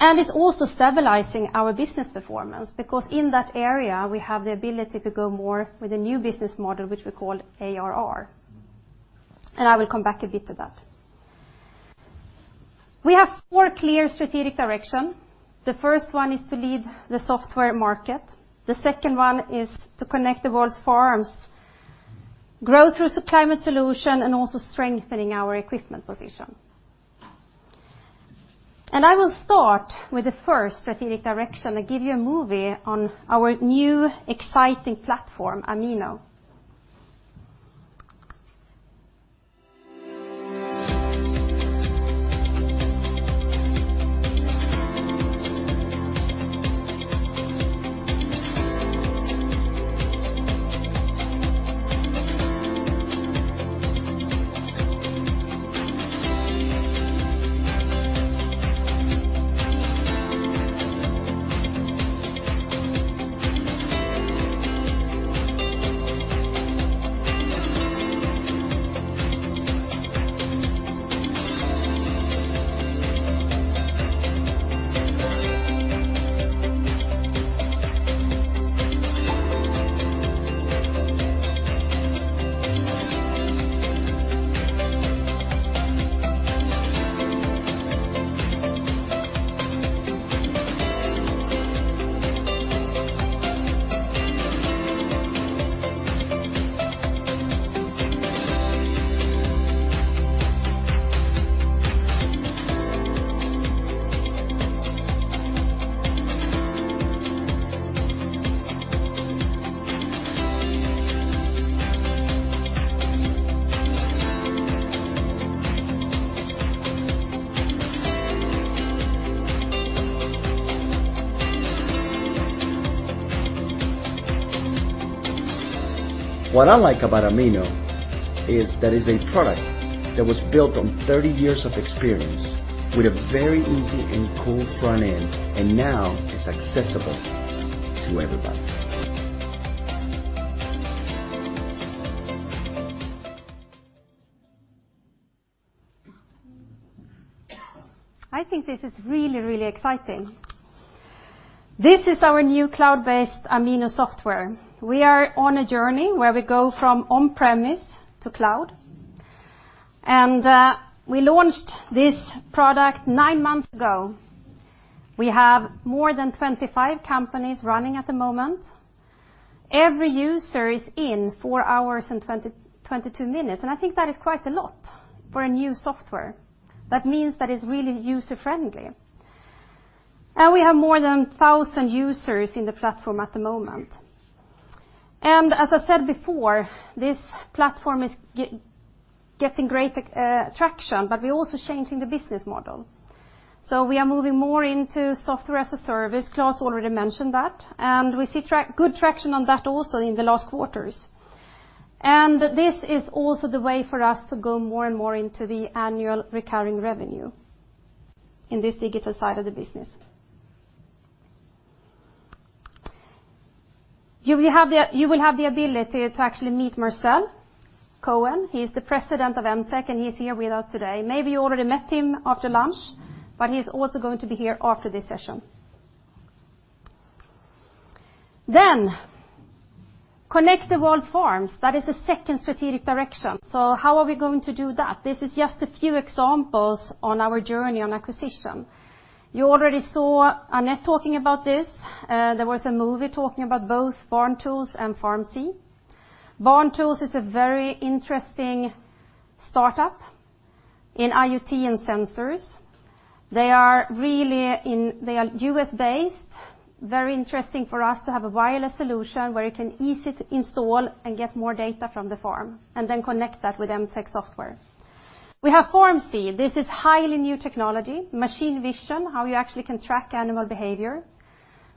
It's also stabilizing our business performance because in that area we have the ability to go more with a new business model which we call ARR, and I will come back a bit to that. We have four clear strategic directions: the first one is to lead the software market, the second one is to connect the world's farms, grow through climate solution, and also strengthening our equipment position. I will start with the first strategic direction and give you a movie on our new exciting platform Amino. What I like about Amino is that it's a product that was built on 30 years of experience with a very easy and cool front end and now it's accessible to everybody. I think this is really really exciting. This is our new cloud-based Amino software we are on a journey where we go from on-premise to cloud. We launched this product nine months ago we have more than 25 companies running at the moment. Every user is in 4 hours and 22 minutes, and I think that is quite a lot for a new software that means that it's really user-friendly. We have more than 1,000 users in the platform at the moment. As I said before, this platform is getting great traction, but we're also changing the business model. We are moving more into software as a service Klas already mentioned that, and we see good traction on that also in the last quarters. This is also the way for us to go more and more into the annual recurring revenue in this digital side of the business. You will have the ability to actually meet Marcel Cohen, he is the President of MTech, and he's here with us today. Maybe you already met him after lunch, but he's also going to be here after this session. Connect the world's farms, that is the second strategic direction. How are we going to do that? This is just a few examples on our journey on acquisition. You already saw Annette talking about this. There was a movie talking about both BarnTools and FarmSee. BarnTools is a very interesting startup in IoT and sensors. They are really in, they are US-based, very interesting for us to have a wireless solution where you can easily install and get more data from the farm and then connect that with MTech software. We have FarmSee. This is highly new technology, machine vision, how you actually can track animal behavior,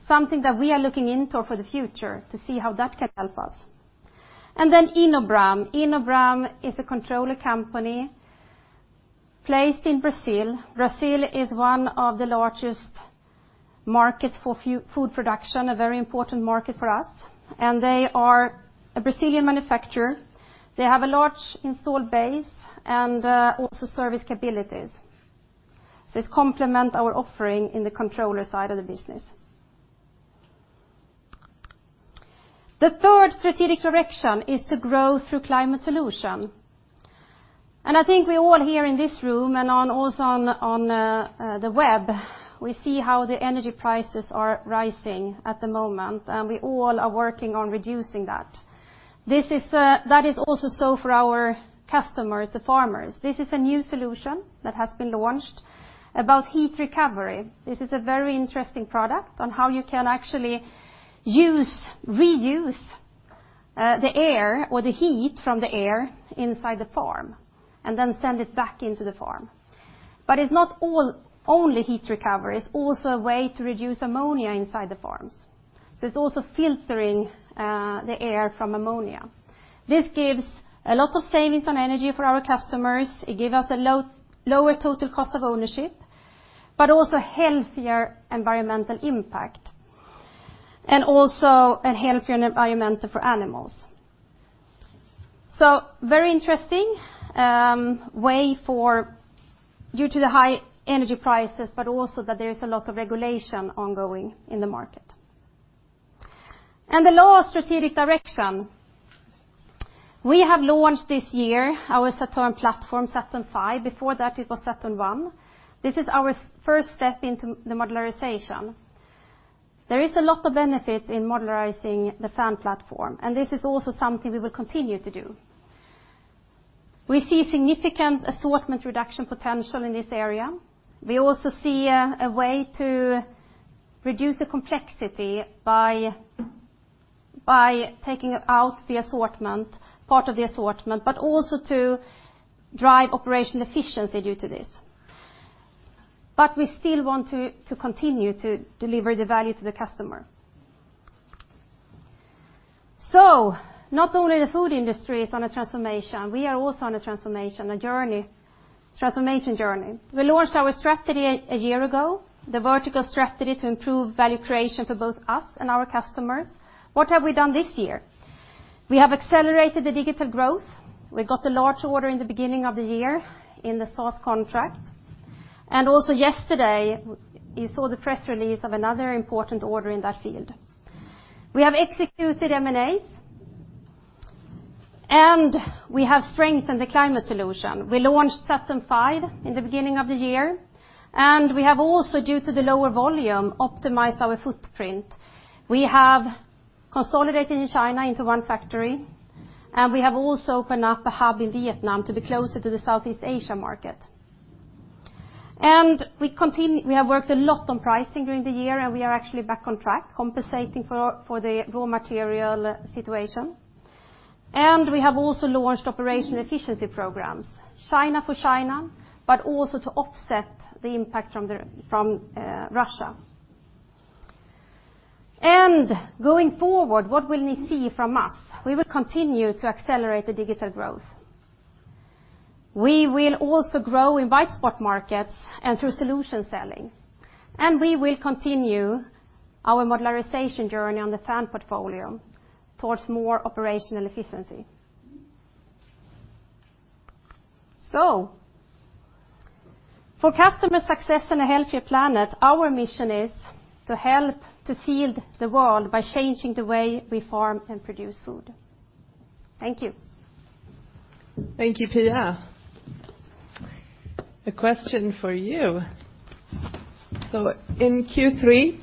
something that we are looking into for the future to see how that can help us. InoBram is a controller company placed in Brazil. Brazil is one of the largest markets for food production, a very important market for us. They are a Brazilian manufacturer. They have a large installed base and also service capabilities. It's complement our offering in the controller side of the business. The third strategic direction is to grow through climate solution. I think we all here in this room and also on the web we see how the energy prices are rising at the moment, and we all are working on reducing that. This is also so for our customers, the farmers. This is a new solution that has been launched about heat recovery. This is a very interesting product on how you can actually use reuse the air or the heat from the air inside the farm and then send it back into the farm. It's not all only heat recovery. It's also a way to reduce ammonia inside the farms, so it's also filtering the air from ammonia. This gives a lot of savings on energy for our customers. It gives us a lower total cost of ownership, but also healthier environmental impact and also a healthier environment for animals. Very interesting way for due to the high energy prices but also that there is a lot of regulation ongoing in the market. The last strategic direction we have launched this year our Saturn platform Saturn FIVE before that it was Saturn ONE this is our first step into the modularization. There is a lot of benefit in modularizing the fan platform and this is also something we will continue to do. We see significant assortment reduction potential in this area we also see a way to reduce the complexity by taking out the assortment part of the assortment but also to drive operational efficiency due to this. We still want to continue to deliver the value to the customer. Not only the food industry is on a transformation we are also on a transformation a journey transformation journey. We launched our strategy a year ago, the vertical strategy to improve value creation for both us and our customers. What have we done this year? We have accelerated the digital growth. We got a large order in the beginning of the year in the SOS contract, and also yesterday you saw the press release of another important order in that field. We have executed M&As and we have strengthened the climate solution. We launched Saturn FIVE in the beginning of the year, and we have also, due to the lower volume, optimized our footprint. We have consolidated in China into one factory, and we have also opened up a hub in Vietnam to be closer to the Southeast Asia market. We continue. We have worked a lot on pricing during the year, and we are actually back on track compensating for the raw material situation. We have also launched operational efficiency programs China for China but also to offset the impact from Russia. Going forward, what will we see from us? We will continue to accelerate the digital growth. We will also grow in white spot markets and through solution selling, and we will continue our modularization journey on the fan portfolio towards more operational efficiency. For customer success and a healthier planet, our mission is to help to feed the world by changing the way we farm and produce food. Thank you. Thank you Pia. A question for you. In Q3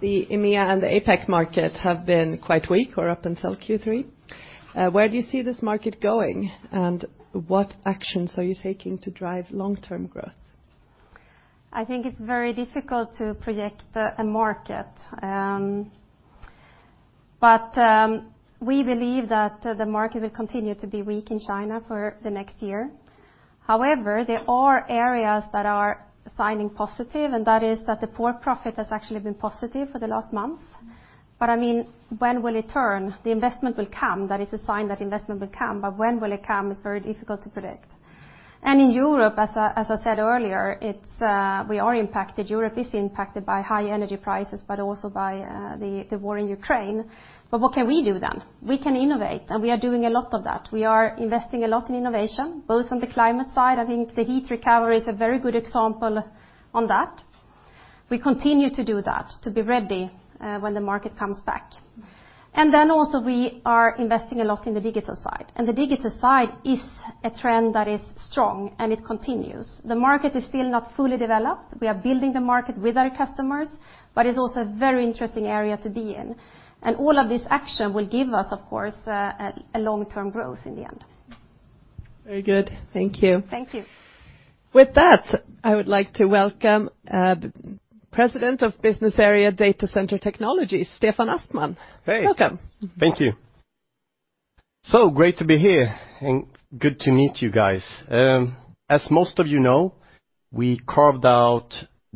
the EMEA and the APAC market have been quite weak or up until Q3 where do you see this market going and what actions are you taking to drive long-term growth? I think it's very difficult to project a market but we believe that the market will continue to be weak in China for the next year. However, there are areas that are signing positive, and that is that the for-profit has actually been positive for the last months. I mean, when will it turn? The investment will come. That is a sign that investment will come. When will it come? It's very difficult to predict. In Europe as I said earlier it's we are impacted Europe is impacted by high energy prices but also by the war in Ukraine. What can we do then? We can innovate and we are doing a lot of that. We are investing a lot in innovation both on the climate side. I think the heat recovery is a very good example on that. We continue to do that to be ready when the market comes back. Also we are investing a lot in the digital side and the digital side is a trend that is strong and it continues. The market is still not fully developed. We are building the market with our customers but it's also a very interesting area to be in and all of this action will give us of course a long-term growth in the end. Very good, thank you. Thank you. With that I would like to welcome President of Business Area Data Center Technologies Stefan Aspman. Welcome. Hey thank you. Great to be here and good to meet you guys. As most of you know we carved out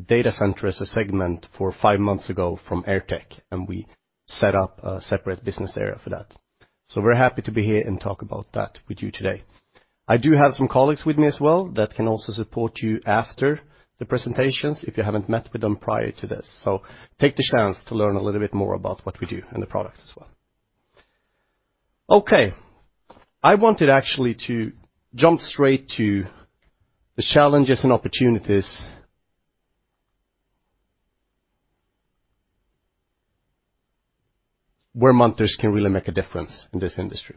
data center as a segment for five months ago from AirTech. We set up a separate business area for that. We're happy to be here and talk about that with you today. I do have some colleagues with me as well that can also support you after the presentations if you haven't met with them prior to this. Take the chance to learn a little bit more about what we do and the products as well. I wanted actually to jump straight to the challenges and opportunities where Munters can really make a difference in this industry.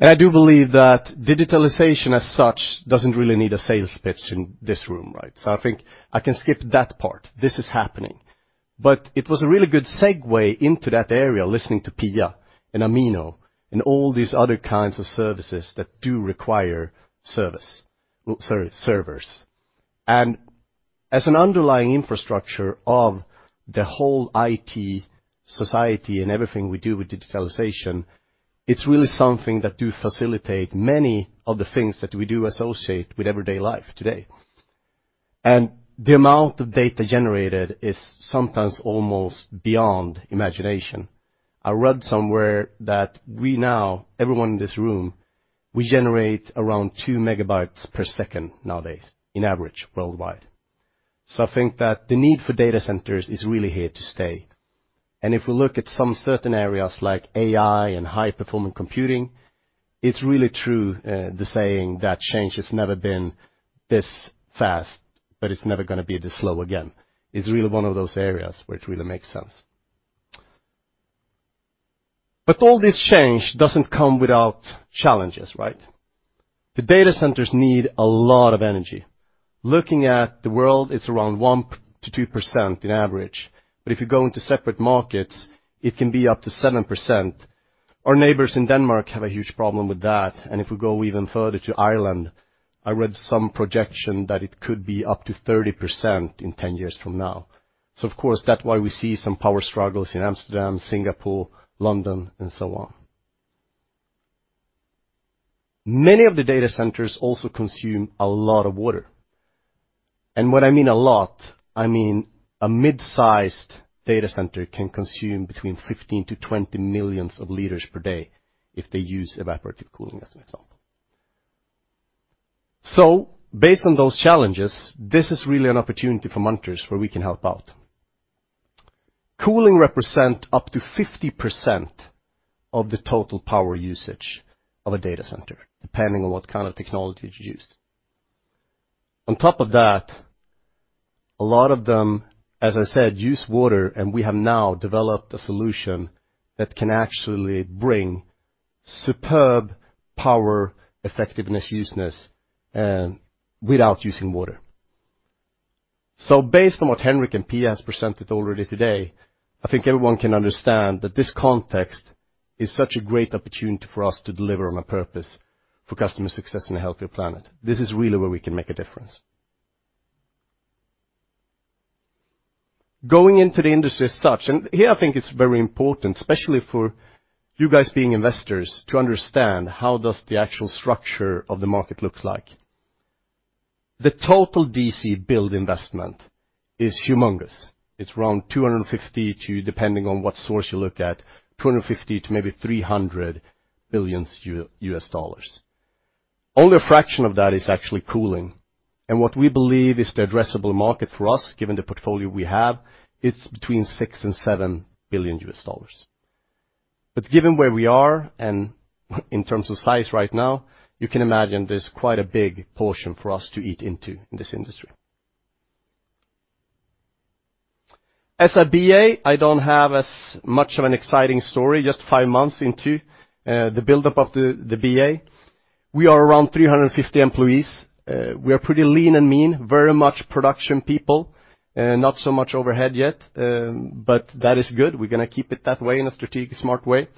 I do believe that digitalization as such doesn't really need a sales pitch in this room, right. I think I can skip that part. This is happening, but it was a really good segue into that area listening to Pia and Amino and all these other kinds of services that do require service servers and as an underlying infrastructure of the whole IT society and everything we do with digitalization, it's really something that do facilitate many of the things that we do associate with everyday life today. The amount of data generated is sometimes almost beyond imagination. I read somewhere that we now everyone in this room generate around 2 MB/s nowadays in average worldwide. I think that the need for data centers is really here to stay and if we look at some certain areas like AI and high performing computing it's really true the saying that change has never been this fast but it's never going to be this slow again is really one of those areas where it really makes sense. All this change doesn't come without challenges, right? The data centers need a lot of energy. Looking at the world, it's around 1%-2% in average, but if you go into separate markets, it can be up to 7%. Our neighbors in Denmark have a huge problem with that, and if we go even further to Ireland, I read some projection that it could be up to 30% in 10 years from now. Of course, that's why we see some power struggles in Amsterdam, Singapore, London, and so on. Many of the data centers also consume a lot of water, and when I mean a lot, I mean a mid-sized data center can consume between 15-20 million liters per day if they use evaporative cooling as an example. Based on those challenges this is really an opportunity for Munters where we can help out. Cooling represent up to 50% of the total power usage of a data center depending on what kind of technology is used. On top of that a lot of them as I said use water and we have now developed a solution that can actually bring superb power effectiveness useness without using water. Based on what Henrik and Pia has presented already today I think everyone can understand that this context is such a great opportunity for us to deliver on a purpose for customer success and a healthier planet. This is really where we can make a difference. Going into the industry as such and here I think it's very important especially for you guys being investors to understand how does the actual structure of the market look like. The total DC build investment is humongous. It's around, depending on what source you look at, $250 billions to maybe $300 billions. Only a fraction of that is actually cooling, and what we believe is the addressable market for us, given the portfolio we have, it's between $6 billion and $7 billion. Given where we are and in terms of size right now, you can imagine there's quite a big portion for us to eat into in this industry. As a BA, I don't have as much of an exciting story just 5 months into the buildup of the BA. We are around 350 employees. We are pretty lean and mean, very much production people, not so much overhead yet. That is good. We're going to keep it that way in a strategic, smart way.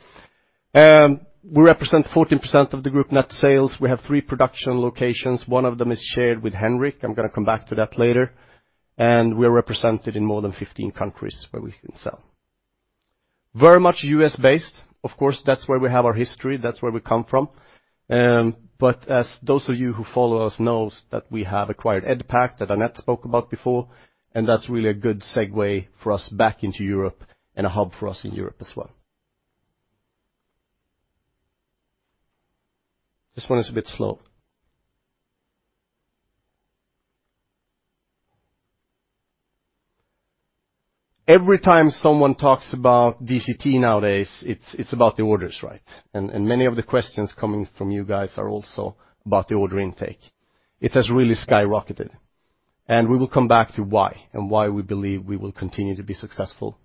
We represent 14% of the group net sales. We have 3 production locations. One of them is shared with Henrik. I'm going to come back to that later. We are represented in more than 15 countries where we can sell. Very much US-based, of course. That's where we have our history, that's where we come from. As those of you who follow us know that we have acquired EDPAC that Annette spoke about before. That's really a good segue for us back into Europe and a hub for us in Europe as well. This one is a bit slow. Every time someone talks about DCT nowadays it's about the orders, right. Many of the questions coming from you guys are also about the order intake. It has really skyrocketed. We will come back to why and why we believe we will continue to be successful.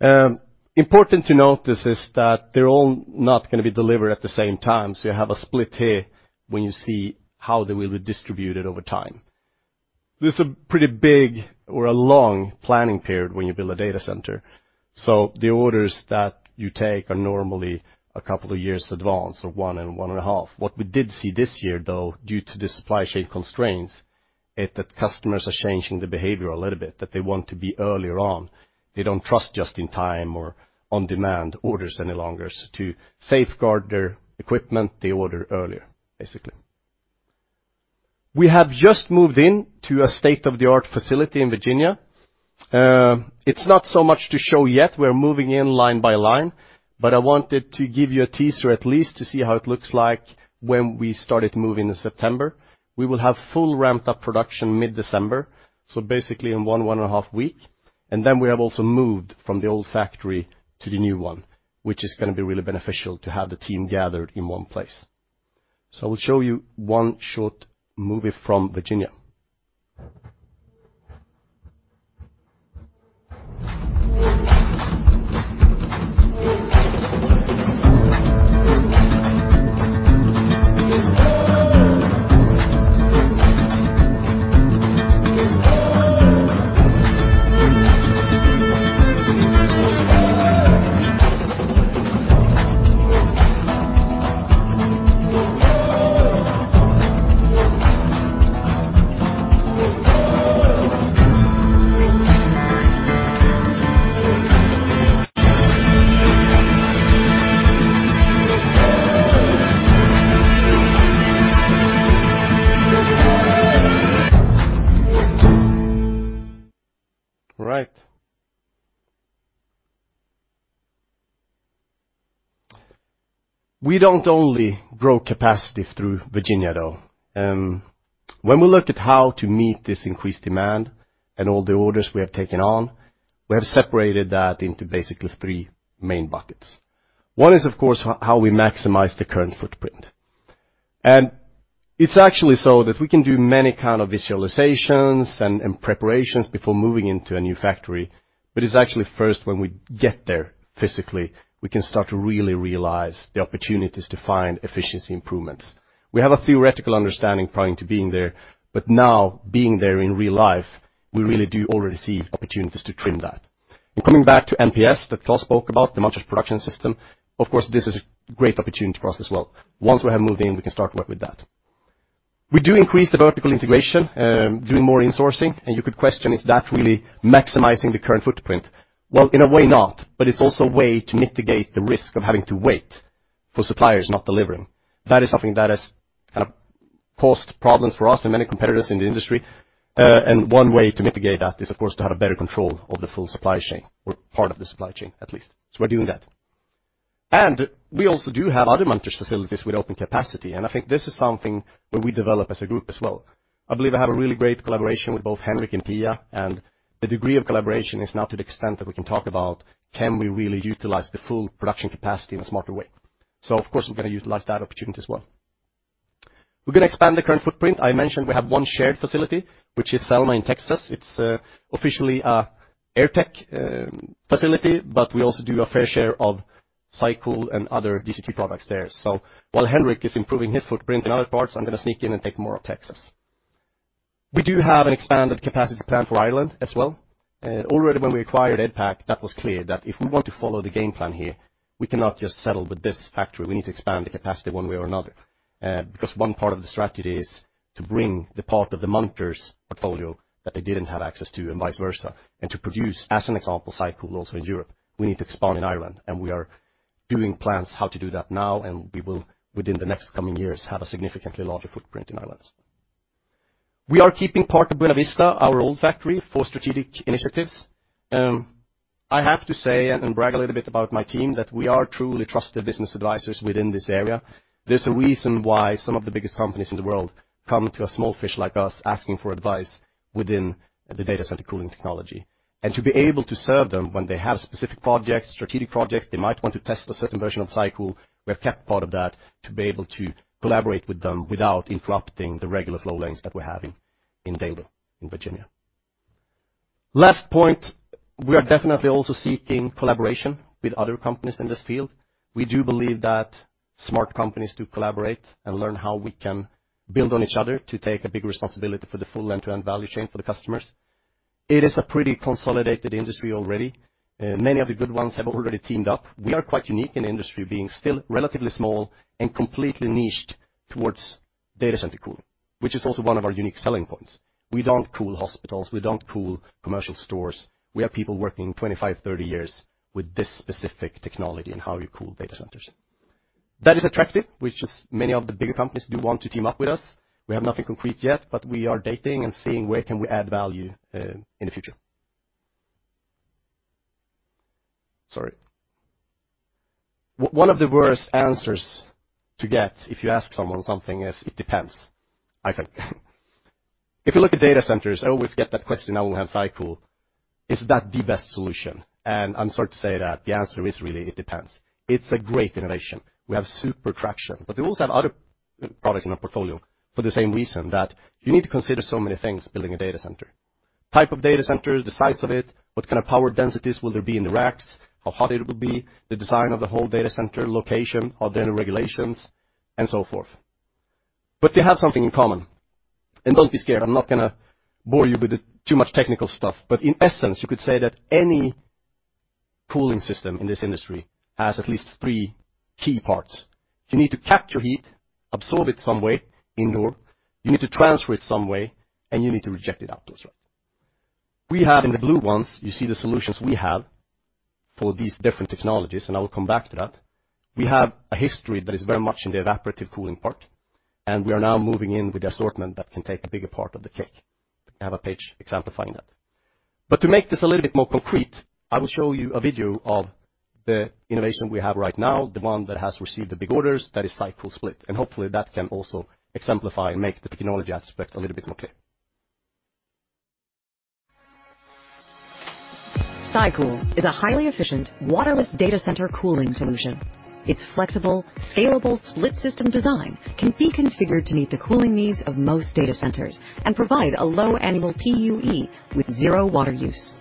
Important to notice is that they're all not going to be delivered at the same time, so you have a split here when you see how they will be distributed over time. There's a pretty big or a long planning period when you build a data center. The orders that you take are normally a couple of years advance or 1 and 1.5. What we did see this year though due to the supply chain constraints it that customers are changing the behavior a little bit that they want to be earlier on. They don't trust just in time or on demand orders any longer to safeguard their equipment. They order earlier basically. We have just moved in to a state-of-the-art facility in Virginia. It's not so much to show yet. We're moving in line by line. I wanted to give you a teaser at least to see how it looks like. When we started moving in September, we will have full ramped up production mid-December, so basically in one and a half weeks. We have also moved from the old factory to the new one, which is going to be really beneficial to have the team gathered in one place. I will show you one short movie from Virginia. Right. We don't only grow capacity through Virginia though, when we look at how to meet this increased demand and all the orders we have taken on, we have separated that into basically three main buckets. One is of course how we maximize the current footprint. It's actually so that we can do many kind of visualizations and preparations before moving into a new factory, but it's actually first when we get there physically we can start to really realize the opportunities to find efficiency improvements. We have a theoretical understanding prior to being there, but now being there in real life, we really do already see opportunities to trim that. Coming back to MPS that Klas spoke about the Munters Production System, of course this is a great opportunity for us as well. Once we have moved in, we can start to work with that. We do increase the vertical integration doing more insourcing. You could question, is that really maximizing the current footprint? Well, in a way, not, but it's also a way to mitigate the risk of having to wait for suppliers not delivering. That is something that has kind of caused problems for us and many competitors in the industry. One way to mitigate that is of course to have a better control of the full supply chain or part of the supply chain at least. We're doing that. We also do have other Munters facilities with open capacity. I think this is something where we develop as a group as well. I believe I have a really great collaboration with both Henrik and Pia. The degree of collaboration is now to the extent that we can talk about, can we really utilize the full production capacity in a smarter way? Of course we're going to utilize that opportunity as well. We're going to expand the current footprint. I mentioned we have one shared facility which is Selma in Texas. It's officially an AirTech facility, but we also do a fair share of SyCool and other DCT products there. While Henrik is improving his footprint in other parts, I'm going to sneak in and take more of Texas. We do have an expanded capacity plan for Ireland as well already when we acquired EDPAC that was clear that if we want to follow the game plan here we cannot just settle with this factory, we need to expand the capacity one way or another because one part of the strategy is to bring the part of the Munters portfolio that they didn't have access to and vice versa and to produce as an example SyCool also in Europe. We need to expand in Ireland and we are doing plans how to do that now and we will within the next coming years have a significantly larger footprint in Ireland as well. We are keeping part of Buena Vista our old factory for strategic initiatives. I have to say and brag a little bit about my team that we are truly trusted business advisors within this area. There's a reason why some of the biggest companies in the world come to a small fish like us asking for advice within the data center cooling technology. To be able to serve them when they have specific projects strategic projects they might want to test a certain version of SyCool, we have kept part of that to be able to collaborate with them without interrupting the regular flow lanes that we're having in Daleville in Virginia. Last point, we are definitely also seeking collaboration with other companies in this field. We do believe that smart companies do collaborate and learn how we can build on each other to take a bigger responsibility for the full end-to-end value chain for the customers. It is a pretty consolidated industry already. Many of the good ones have already teamed up. We are quite unique in the industry, being still relatively small and completely niched towards data center cooling, which is also one of our unique selling points. We don't cool hospitals. We don't cool commercial stores. We have people working 25-30 years with this specific technology and how you cool data centers. That is attractive, which is many of the bigger companies do want to team up with us. We have nothing concrete yet, but we are dating and seeing where can we add value in the future. Sorry. One of the worst answers to get if you ask someone something is it depends. I think, if you look at data centers, I always get that question. I will have SyCool. Is that the best solution? I'm sorry to say that the answer is really, it depends. It's a great innovation. We have super traction. We also have other products in our portfolio for the same reason that you need to consider so many things: building a data center, type of data center, the size of it, what kind of power densities will there be in the racks, how hot it will be, the design of the whole data center, location, are there any regulations, and so forth. They have something in common. Don't be scared. I'm not going to bore you with too much technical stuff, but in essence, you could say that any cooling system in this industry has at least three key parts. You need to capture heat, absorb it some way indoor. You need to transfer it some way. You need to reject it outdoors, right? We have, in the blue ones, you see the solutions we have for these different technologies. I will come back to that. We have a history that is very much in the evaporative cooling part. We are now moving in with the assortment that can take a bigger part of the cake. I have a page exemplifying that. To make this a little bit more concrete, I will show you a video of the innovation we have right now, the one that has received the big orders, that is SyCool Split. Hopefully, that can also exemplify and make the technology aspect a little bit more clear. SyCool is a highly efficient waterless data center cooling solution its flexible scalable split system design can be configured to meet the cooling needs of most data centers and provide a low annual PUE with zero water use.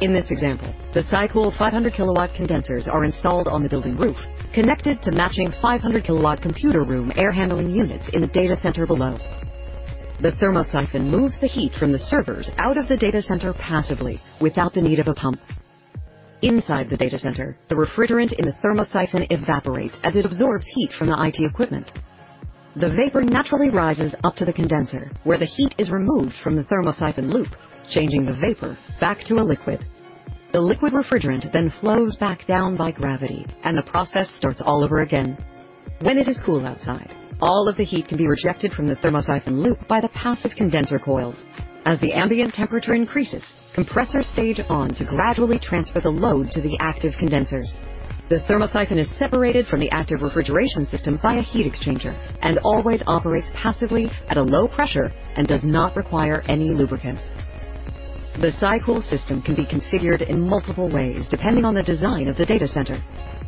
In this example the SyCool 500 KW condensers are installed on the building roof connected to matching 500 KW computer room air handling units in the data center below. The thermosiphon moves the heat from the servers out of the data center passively without the need of a pump inside the data center. The refrigerant in the thermosiphon evaporates as it absorbs heat from the IT equipment. The vapor naturally rises up to the condenser where the heat is removed from the thermosiphon loop changing the vapor back to a liquid. The liquid refrigerant then flows back down by gravity and the process starts all over again. When it is cool outside all of the heat can be rejected from the thermosiphon loop by the passive condenser coils. As the ambient temperature increases compressors stage on to gradually transfer the load to the active condensers. The thermosiphon is separated from the active refrigeration system by a heat exchanger and always operates passively at a low pressure and does not require any lubricants. The SyCool system can be configured in multiple ways depending on the design of the data center.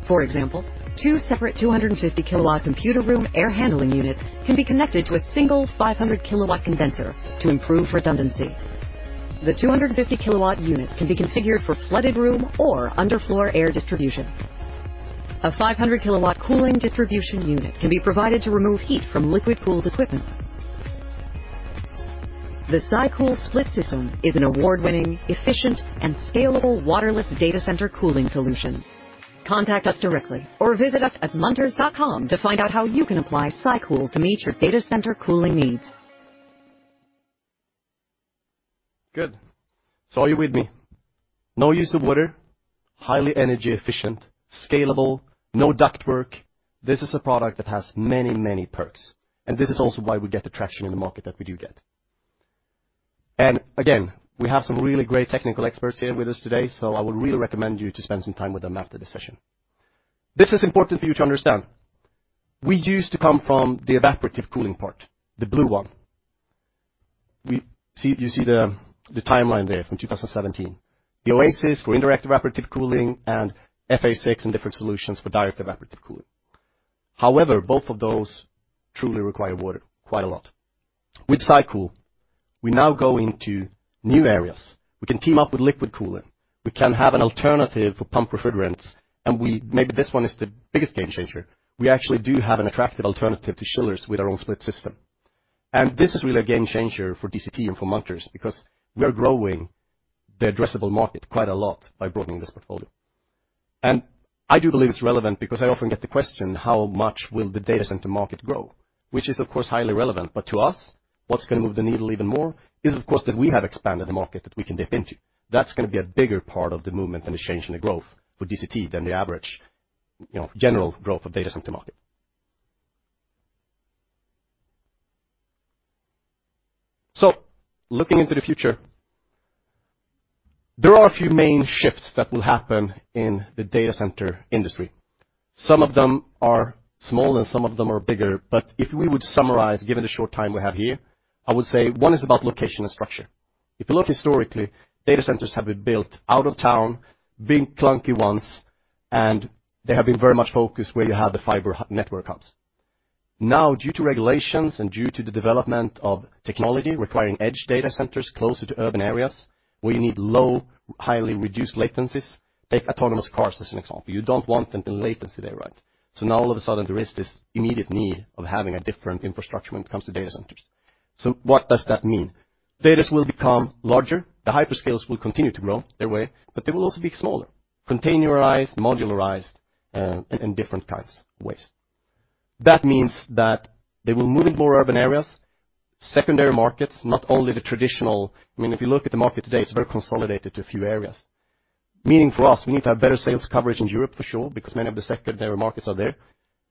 For example, two separate 250 KW computer room air handling units can be connected to a single 500 KW condenser to improve redundancy. The 250 KW units can be configured for flooded room or under floor air distribution. A 500 KW cooling distribution unit can be provided to remove heat from liquid cooled equipment. The SyCool Split system is an award-winning, efficient, and scalable waterless data center cooling solution. Contact us directly or visit us at munters.com to find out how you can apply SyCool to meet your data center cooling needs. Good, are you with me? No use of water, highly energy efficient, scalable, no ductwork. This is a product that has many, many perks. This is also why we get the traction in the market that we do get. Again, we have some really great technical experts here with us today. I would really recommend you to spend some time with them after the session. This is important for you to understand. We used to come from the evaporative cooling part, the blue one. We see, you see the timeline there from 2017. The Oasis for indirect evaporative cooling and FA6 and different solutions for direct evaporative cooling. However, both of those truly require water quite a lot. With SyCool, we now go into new areas. We can team up with liquid cooling. We can have an alternative for pump refrigerants. Maybe this one is the biggest game changer. We actually do have an attractive alternative to chillers with our own split system. This is really a game changer for DCT and for Munters because we are growing the addressable market quite a lot by broadening this portfolio. I do believe it's relevant because I often get the question, how much will the data center market grow? Which is, of course, highly relevant. To us, what's going to move the needle even more is, of course, that we have expanded the market that we can dip into. That's going to be a bigger part of the movement and the change in the growth for DCT than the average, you know, general growth of data center market. Looking into the future there are a few main shifts that will happen in the data center industry. Some of them are small and some of them are bigger. If we would summarize given the short time we have here, I would say one is about location and structure. If you look historically, data centers have been built out of town, being clunky ones, and they have been very much focused where you have the fiber network hubs. Now due to regulations and due to the development of technology requiring edge data centers closer to urban areas where you need low, highly reduced latencies, take autonomous cars as an example. You don't want them in latency there, right? Now all of a sudden there is this immediate need of having a different infrastructure when it comes to data centers. What does that mean? Data will become larger. The hyperscales will continue to grow their way, but they will also be smaller, containerized, modularized, and different kinds of ways. That means that they will move in more urban areas, secondary markets, not only the traditional. I mean, if you look at the market today, it's very consolidated to a few areas, meaning for us, we need to have better sales coverage in Europe for sure, because many of the secondary markets are there.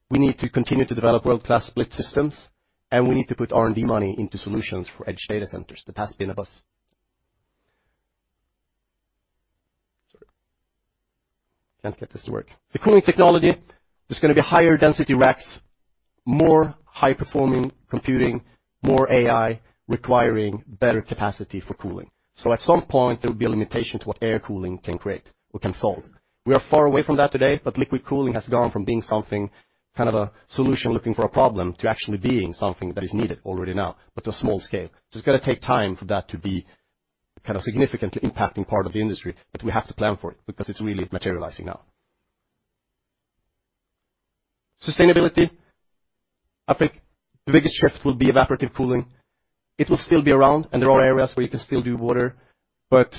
We need to continue to develop world-class split systems, and we need to put R&D money into solutions for edge data centers that has been a buzz. Sorry. Can't get this to work the cooling technology there's going to be higher density racks more high performing computing more AI requiring better capacity for cooling. At some point there will be a limitation to what air cooling can create or can solve. We are far away from that today. Liquid cooling has gone from being something kind of a solution looking for a problem to actually being something that is needed already now but to a small scale. It's going to take time for that to be kind of significantly impacting part of the industry but we have to plan for it because it's really materializing now. Sustainability, I think the biggest shift will be evaporative cooling. It will still be around, and there are areas where you can still do water, but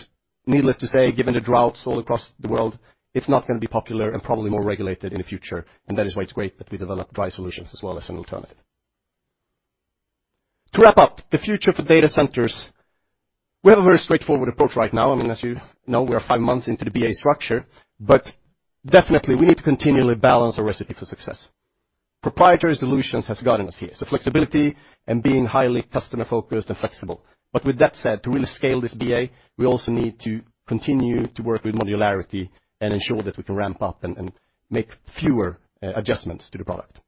needless to say, given the droughts all across the world, it's not going to be popular and probably more regulated in the future. That is why it's great that we develop dry solutions as well as an alternative. To wrap up the future for data centers, we have a very straightforward approach right now. I mean, as you know, we are five months into the BA structure. Definitely, we need to continually balance our recipe for success. Proprietary solutions has gotten us here. Flexibility and being highly customer focused and flexible. With that said, to really scale this BA, we also need to continue to work with modularity and ensure that we can ramp up and make fewer adjustments to the product.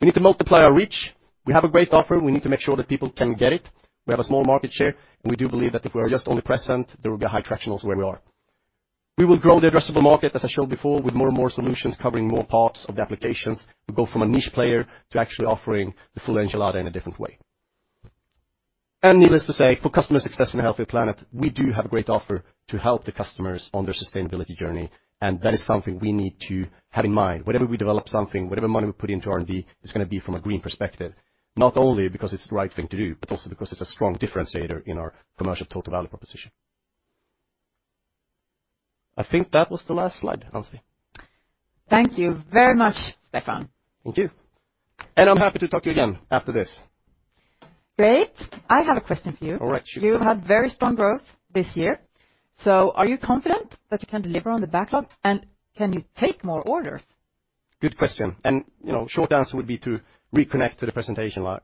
We need to multiply our reach. We have a great offer. We need to make sure that people can get it. We have a small market share. We do believe that if we are just only present, there will be a high traction also where we are. We will grow the addressable market as I showed before with more and more solutions covering more parts of the applications. We go from a niche player to actually offering the full enchilada in a different way. Needless to say, for customer success in a healthier planet, we do have a great offer to help the customers on their sustainability journey. That is something we need to have in mind whenever we develop something. Whatever money we put into R&D, it's going to be from a green perspective, not only because it's the right thing to do but also because it's a strong differentiator in our commercial total value proposition. I think that was the last slide, Ann-Sofi. Thank you very much Stefan. Thank you. I'm happy to talk to you again after this. Great, I have a question for you. You've had very strong growth this year. Are you confident that you can deliver on the backlog and can you take more orders? Good question. You know, short answer would be to reconnect to the presentation lie.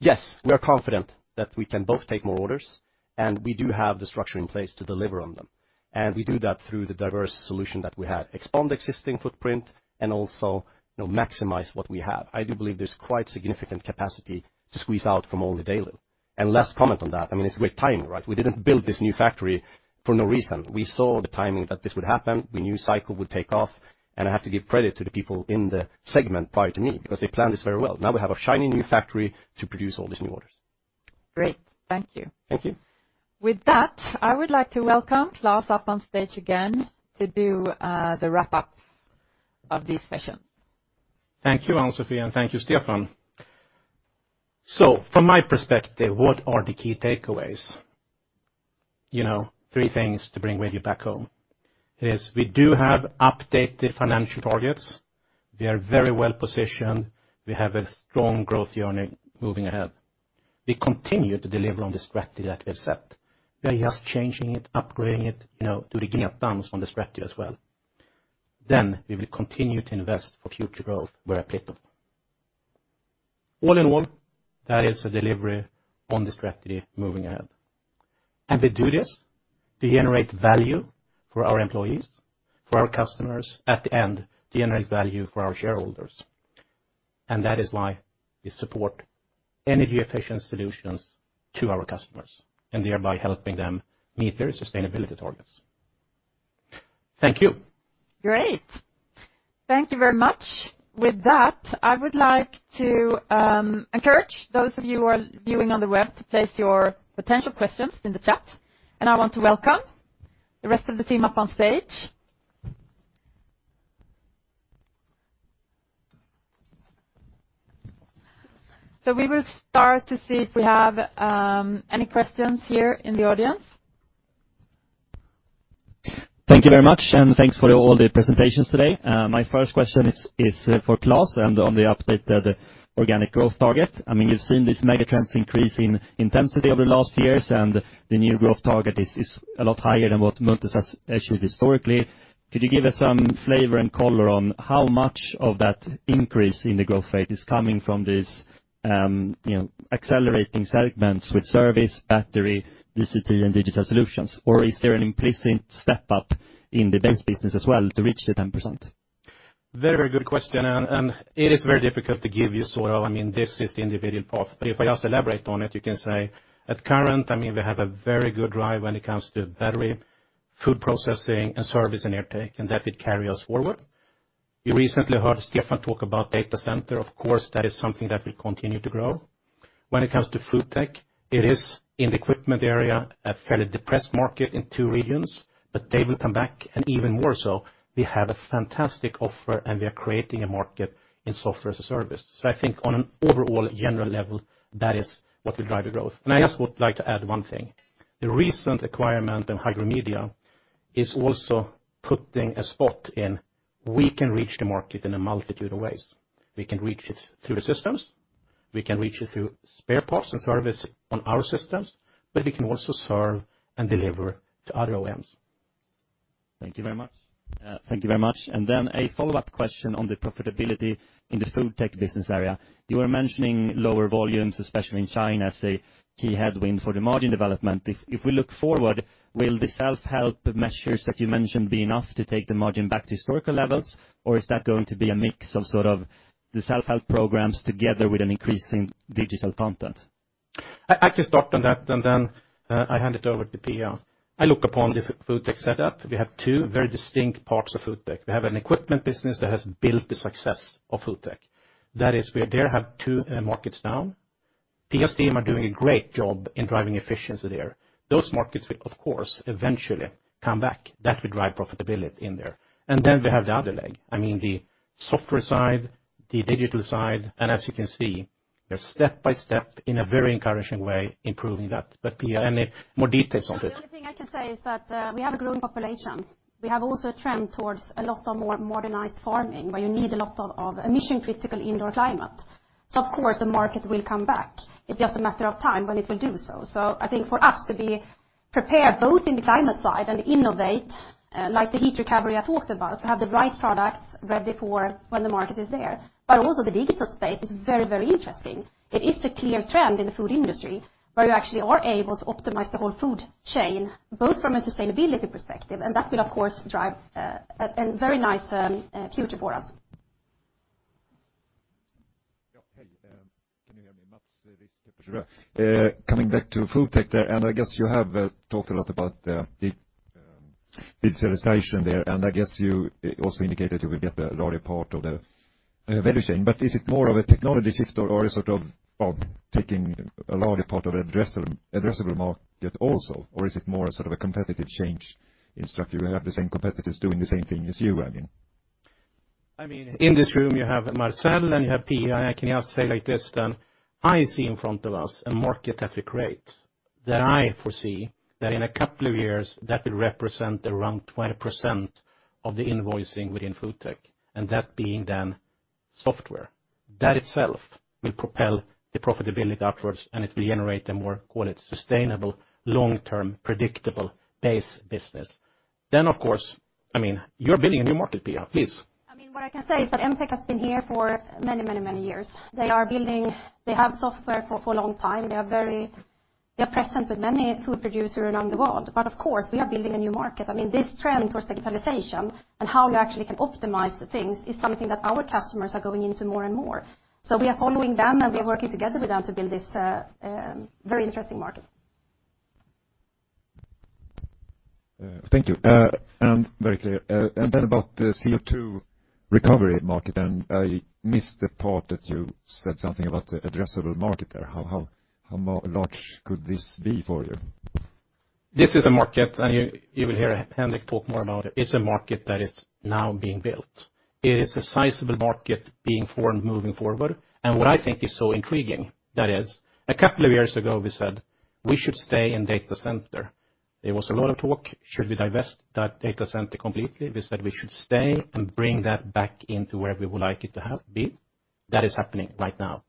Yes, we are confident that we can both take more orders and we do have the structure in place to deliver on them. We do that through the diverse solution that we had expand existing footprint and also maximize what we have. I do believe there's quite significant capacity to squeeze out from only Daleville. Last comment on that, I mean, it's great timing, right? We didn't build this new factory for no reason. We saw the timing that this would happen. We knew SyCool would take off, and I have to give credit to the people in the segment prior to me because they planned this very well. Now we have a shiny new factory to produce all these new orders. Great, thank you. Thank you. With that I would like to welcome Klas Forsström on stage again to do the wrap up of these sessions. Thank you Ann-Sofi and thank you Stefan. From my perspective, what are the key takeaways? You know, three things to bring with you back home. It is we do have updated financial targets. We are very well positioned. We have a strong growth journey moving ahead. We continue to deliver on the strategy that we have set. We are just changing it, upgrading it, you know, to begin at dumps on the strategy as well. We will continue to invest for future growth where applicable. All in all, that is a delivery on the strategy moving ahead. We do this to generate value for our employees, for our customers, at the end to generate value for our shareholders. That is why we support energy efficient solutions to our customers and thereby helping them meet their sustainability targets. Thank you. Great. Thank you very much. With that, I would like to encourage those of you who are viewing on the web to place your potential questions in the chat, and I want to welcome the rest of the team up on stage. We will start to see if we have any questions here in the audience. Thank you very much. Thanks for all the presentations today. My first question is for Klas. On the update to the organic growth target, I mean, you've seen this megatrends increase in intensity over the last years. The new growth target is a lot higher than what Munters has achieved historically. Could you give us some flavor and color on how much of that increase in the growth rate is coming from these accelerating segments with service, battery, DCT, and digital solutions, or is there an implicit step up in the base business as well to reach the 10%? Very good question. It is very difficult to give you sort of this is the individual path, but if I just elaborate on it, you can say at current we have a very good drive when it comes to battery, food processing, and service in AirTech, and that it carries us forward. You recently heard Stefan talk about data center. Of course, that is something that will continue to grow. When it comes to FoodTech, it is in the equipment area a fairly depressed market in 2 regions, but they will come back. Even more so, we have a fantastic offer, and we are creating a market in software as a service. I think on an overall general level, that is what will drive the growth. I just would like to add one thing. The recent acquirement of Hygromedia is also putting a spot in. We can reach the market in a multitude of ways. We can reach it through the systems, we can reach it through spare parts and service on our systems, but we can also serve and deliver to other OEMs. Thank you very much. A follow up question on the profitability in the FoodTech business area. You were mentioning lower volumes, especially in China, as a key headwind for the margin development. If we look forward, will the self-help measures that you mentioned be enough to take the margin back to historical levels, or is that going to be a mix of sort of the self-help programs together with an increasing digital content? I can start on that and then I hand it over to Pia. I look upon the FoodTech setup. We have two very distinct parts of FoodTech. We have an equipment business that has built the success of FoodTech. That is, we are there, have two markets down. Pia's team are doing a great job in driving efficiency there. Those markets will of course eventually come back. That will drive profitability in there. Then we have the other leg, I mean, the software side, the digital side. As you can see, they're step by step in a very encouraging way improving that. Pia, any more details on it? The only thing I can say is that we have a growing population. We have also a trend towards a lot of more modernized farming where you need a lot of emission critical indoor climate. Of course, the market will come back. It's just a matter of time when it will do so. I think for us to be prepared both in the climate side and innovate like the heat recovery I talked about to have the right products ready for when the market is there. Also, the digital space is very, very interesting. It is a clear trend in the food industry where you actually are able to optimize the whole food chain both from a sustainability perspective. That will of course drive a very nice future for us. Yeah hey can you hear me [Mats Rosquist] coming back to FoodTech there. I guess you have talked a lot about the digitalization there. I guess you also indicated you will get the larger part of the value chain. Is it more of a technology shift or is it sort of taking a larger part of the addressable market also or is it more sort of a competitive change in structure you have the same competitors doing the same thing as you I mean? I mean in this room you have Marcel and you have Pia. I can just say like this: then I see in front of us a market that will create that I foresee that in a couple of years that will represent around 20% of the invoicing within FoodTech. That being then software that itself will propel the profitability upwards and it will generate a more quality sustainable long term predictable base business. Of course I mean you're building a new market Pia, please. I mean what I can say is that MTech has been here for many years. They are building they have software for a long time. They are present with many food producers around the world. Of course, we are building a new market. I mean this trend towards digitalization and how you actually can optimize the things is something that our customers are going into more and more. We are following them and we are working together with them to build this very interesting market. Thank you and very clear and then about the CO2 recovery market and I missed the part that you said something about the addressable market there how large could this be for you? This is a market, and you will hear Henrik talk more about it. It's a market that is now being built. It is a sizable market being formed moving forward. What I think is so intriguing, that is a couple of years ago we said we should stay in data center. There was a lot of talk, should we divest that data center completely? We said we should stay and bring that back into where we would like it to be. That is happening right now.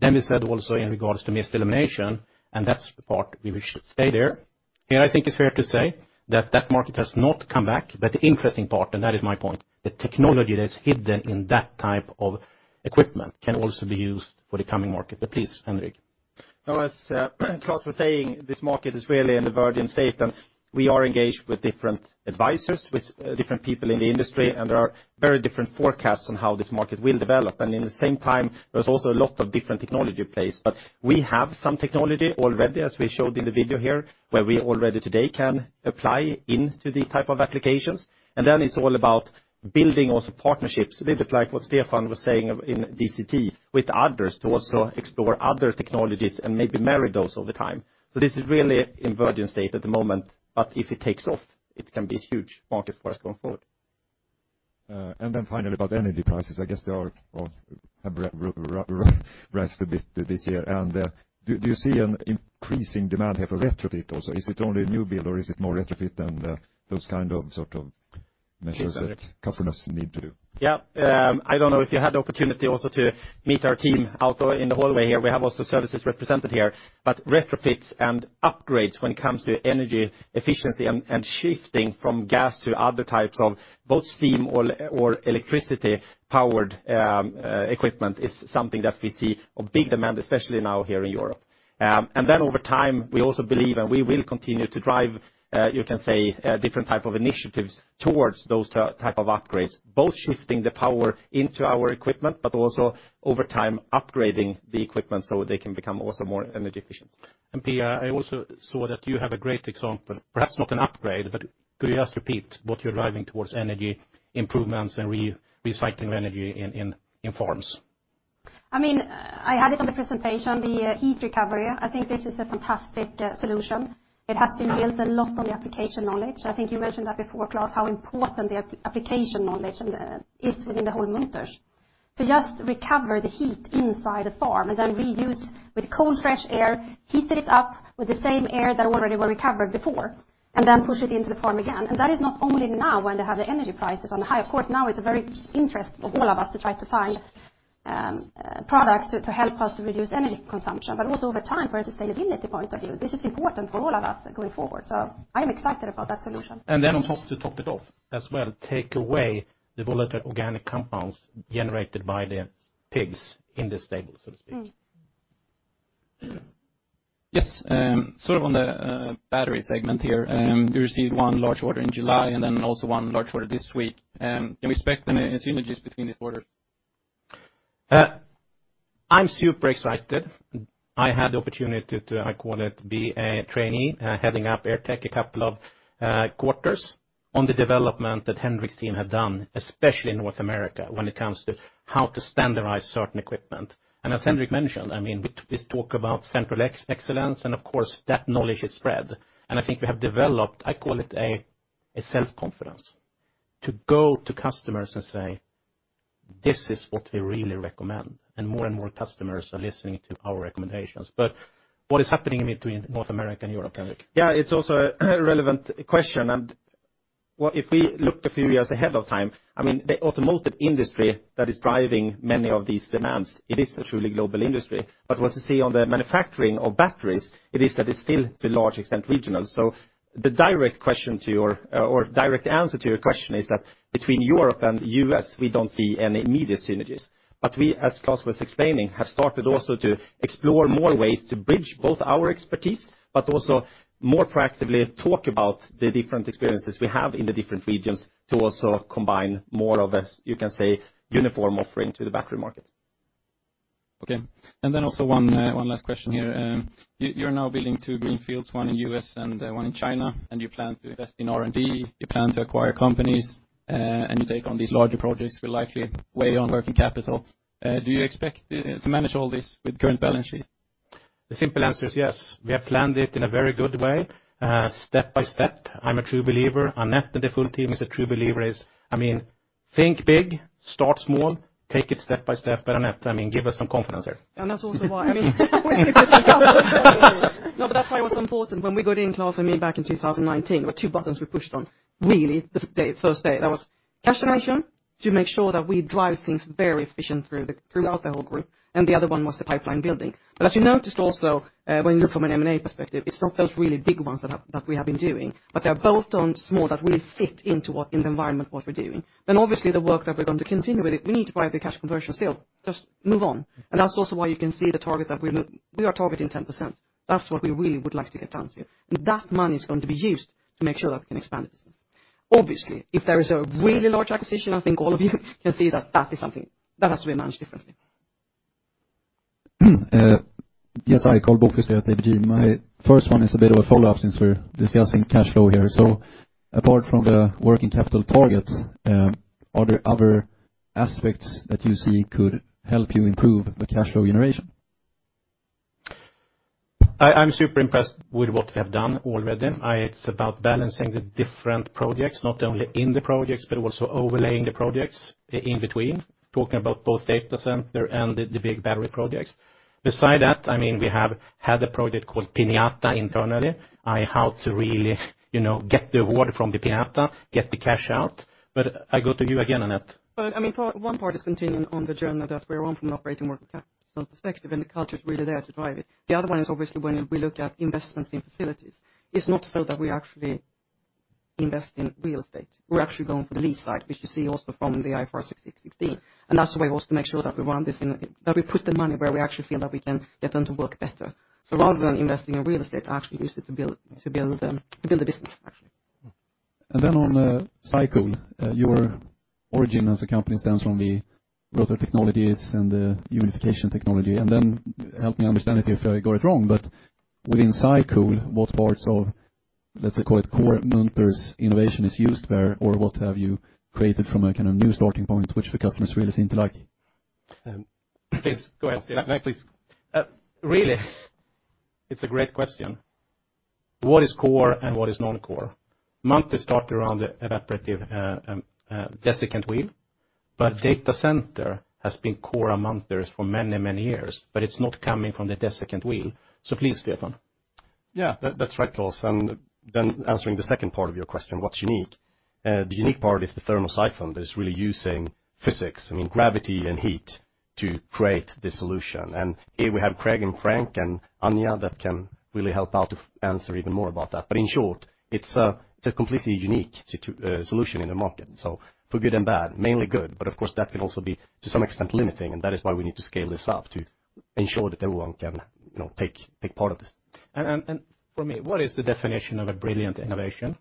We said also in regards to mist elimination, and that's the part we should stay there. Here I think it's fair to say that that market has not come back. The interesting part, and that is my point, the technology that's hidden in that type of equipment can also be used for the coming market. Please Henrik. As Klas was saying, this market is really in the verge of state, and we are engaged with different advisors, with different people in the industry, and there are very different forecasts on how this market will develop. In the same time, there's also a lot of different technology in place. We have some technology already, as we showed in the video here, where we already today can apply into these type of applications. Then it's all about building also partnerships, a little bit like what Stefan was saying in DCT, with others to also explore other technologies and maybe marry those over time. This is really in verge of state at the moment. If it takes off, it can be a huge market for us going forward. Finally about energy prices I guess they all have risen a bit this year and do you see an increasing demand here for retrofit also is it only new build or is it more retrofit than those kind of sort of measures that customers need to do? Yeah I don't know if you had the opportunity also to meet our team out in the hallway here we have also services represented here but retrofits and upgrades when it comes to energy efficiency and shifting from gas to other types of both steam or electricity powered equipment is something that we see a big demand especially now here in Europe and then over time we also believe and we will continue to drive you can say different type of initiatives towards those type of upgrades both shifting the power into our equipment but also over time upgrading the equipment so they can become also more energy efficient. Pia I also saw that you have a great example perhaps not an upgrade but could you just repeat what you're driving towards energy improvements and recycling of energy in farms? I mean I had it on the presentation, the heat recovery. I think this is a fantastic solution. It has been built a lot on the application knowledge. I think you mentioned that before, Klas, how important the application knowledge is within the whole Munters to just recover the heat inside the farm and then reuse with cold fresh air, heated it up with the same air that already were recovered before and then push it into the farm again. That is not only now when they have the energy prices on the high. Of course, now it's a very interest of all of us to try to find products to help us to reduce energy consumption, but also over time for a sustainability point of view, this is important for all of us going forward. I am excited about that solution. On top to top it off as well take away the volatile organic compounds generated by the pigs in this stable so to speak. Yes sort of on the battery segment here, you received 1 large order in July and then also 1 large order this week. Can we expect any synergies between these orders? I'm super excited. I had the opportunity to, I call it, be a trainee heading up AirTech a couple of quarters on the development that Henrik's team have done especially in North America when it comes to how to standardize certain equipment. As Henrik mentioned, I mean, we talk about central excellence, and of course that knowledge is spread. I think we have developed, I call it, a self-confidence to go to customers and say this is what we really recommend, and more and more customers are listening to our recommendations. What is happening in between North America and Europe, Henrik? It's also a relevant question. If we look a few years ahead of time I mean the automotive industry that is driving many of these demands it is a truly global industry. What you see on the manufacturing of batteries it is that it's still to a large extent regional. The direct answer to your question is that between Europe and the U.S. we don't see any immediate synergies. We as Klas was explaining have started also to explore more ways to bridge both our expertise but also more proactively talk about the different experiences we have in the different regions to also combine more of a you can say uniform offering to the battery market. Okay also one last question here you're now building two green fields one in the U.S. and one in China and you plan to invest in R&D you plan to acquire companies and you take on these larger projects will likely weigh on working capital do you expect to manage all this with the current balance sheet? The simple answer is yes we have planned it in a very good way step by step. I'm a true believer, Annette, and the full team is a true believer. I mean, think big, start small, take it step by step. Annette, I mean, give us some confidence here. That's also why I mean when we put together no, but that's why it was so important when we got in Klas and me back in 2019, there were two buttons we pushed on really the first day. That was cash generation to make sure that we drive things very efficient throughout the whole group, and the other one was the pipeline building. As you noticed also when you look from an M&A perspective, it's not those really big ones that we have been doing, but they are both done small that really fit into what in the environment we're doing. Obviously the work that we're going to continue with it, we need to drive the cash conversion still, just move on. That's also why you can see the target that we are targeting 10%. That's what we really would like to get down to, and that money is going to be used to make sure that we can expand the business. Obviously if there is a really large acquisition, I think all of you can see that that is something that has to be managed differently. I called both. *audio distortion* My first one is a bit of a follow up since we're discussing cash flow here. Apart from the working capital target, are there other aspects that you see could help you improve the cash flow generation? I'm super impressed with what we have done already. It's about balancing the different projects, not only in the projects but also overlaying the projects in between, talking about both data center and the big battery projects. Beside that, I mean, we have had a project called Piñata internally, how to really get the award from the Piñata, get the cash out. I go to you again Annette. I mean one part is continuing on the journey that we're on from an operating working capital perspective, and the culture is really there to drive it. The other one is obviously when we look at investments in facilities, it's not so that we actually invest in real estate. We're actually going for the lease side which you see also from the IFRS 16, and that's a way also to make sure that we run this in that we put the money where we actually feel that we can get them to work better. Rather than investing in real estate, I actually use it to build the business actually. On SyCool your origin as a company stands from the rotor technologies and the unification technology and then help me understand it if I got it wrong but within SyCool what parts of let's call it core Munters innovation is used there or what have you created from a kind of new starting point which the customers really seem to like. Please go ahead, Stefan. Please, really, it's a great question what is core and what is non-core. Munters started around the evaporative desiccant wheel. Data center has been core of Munters for many many years. It's not coming from the desiccant wheel. Please, Stefan. That's right Klas. Answering the second part of your question, what's unique? The unique part is the thermosiphon that is really using physics, I mean gravity and heat, to create this solution. Here we have Craig and Frank and Anya that can really help out to answer even more about that. In short, it's a completely unique solution in the market. For good and bad, mainly good, but of course that can also be to some extent limiting, and that is why we need to scale this up to ensure that everyone can take part of this. For me, what is the definition of a brilliant innovation?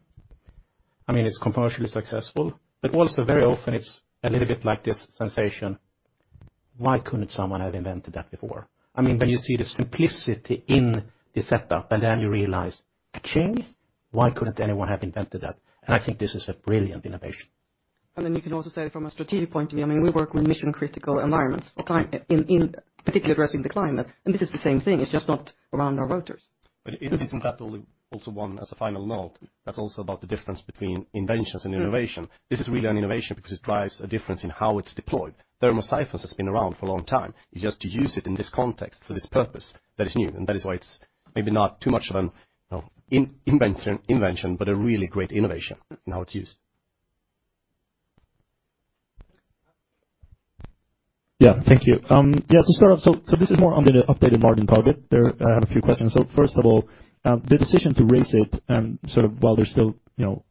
I mean, it's commercially successful, but also very often it's a little bit like this sensation: why couldn't someone have invented that before? I mean, when you see the simplicity in the setup, then you realize, why couldn't anyone have invented that? I think this is a brilliant innovation. You can also say it from a strategic point of view I mean we work with mission critical environments or climate in particular addressing the climate and this is the same thing it's just not around our rotors. Isn't that also one as a final note that's also about the difference between inventions and innovation? This is really an innovation because it drives a difference in how it's deployed. Thermosyphon has been around for a long time. It's just to use it in this context for this purpose that is new, and that is why it's maybe not too much of an invention but a really great innovation in how it's used. Thank you. To start off, this is more on the updated margin target. I have a few questions. First of all, the decision to raise it, sort of while there's still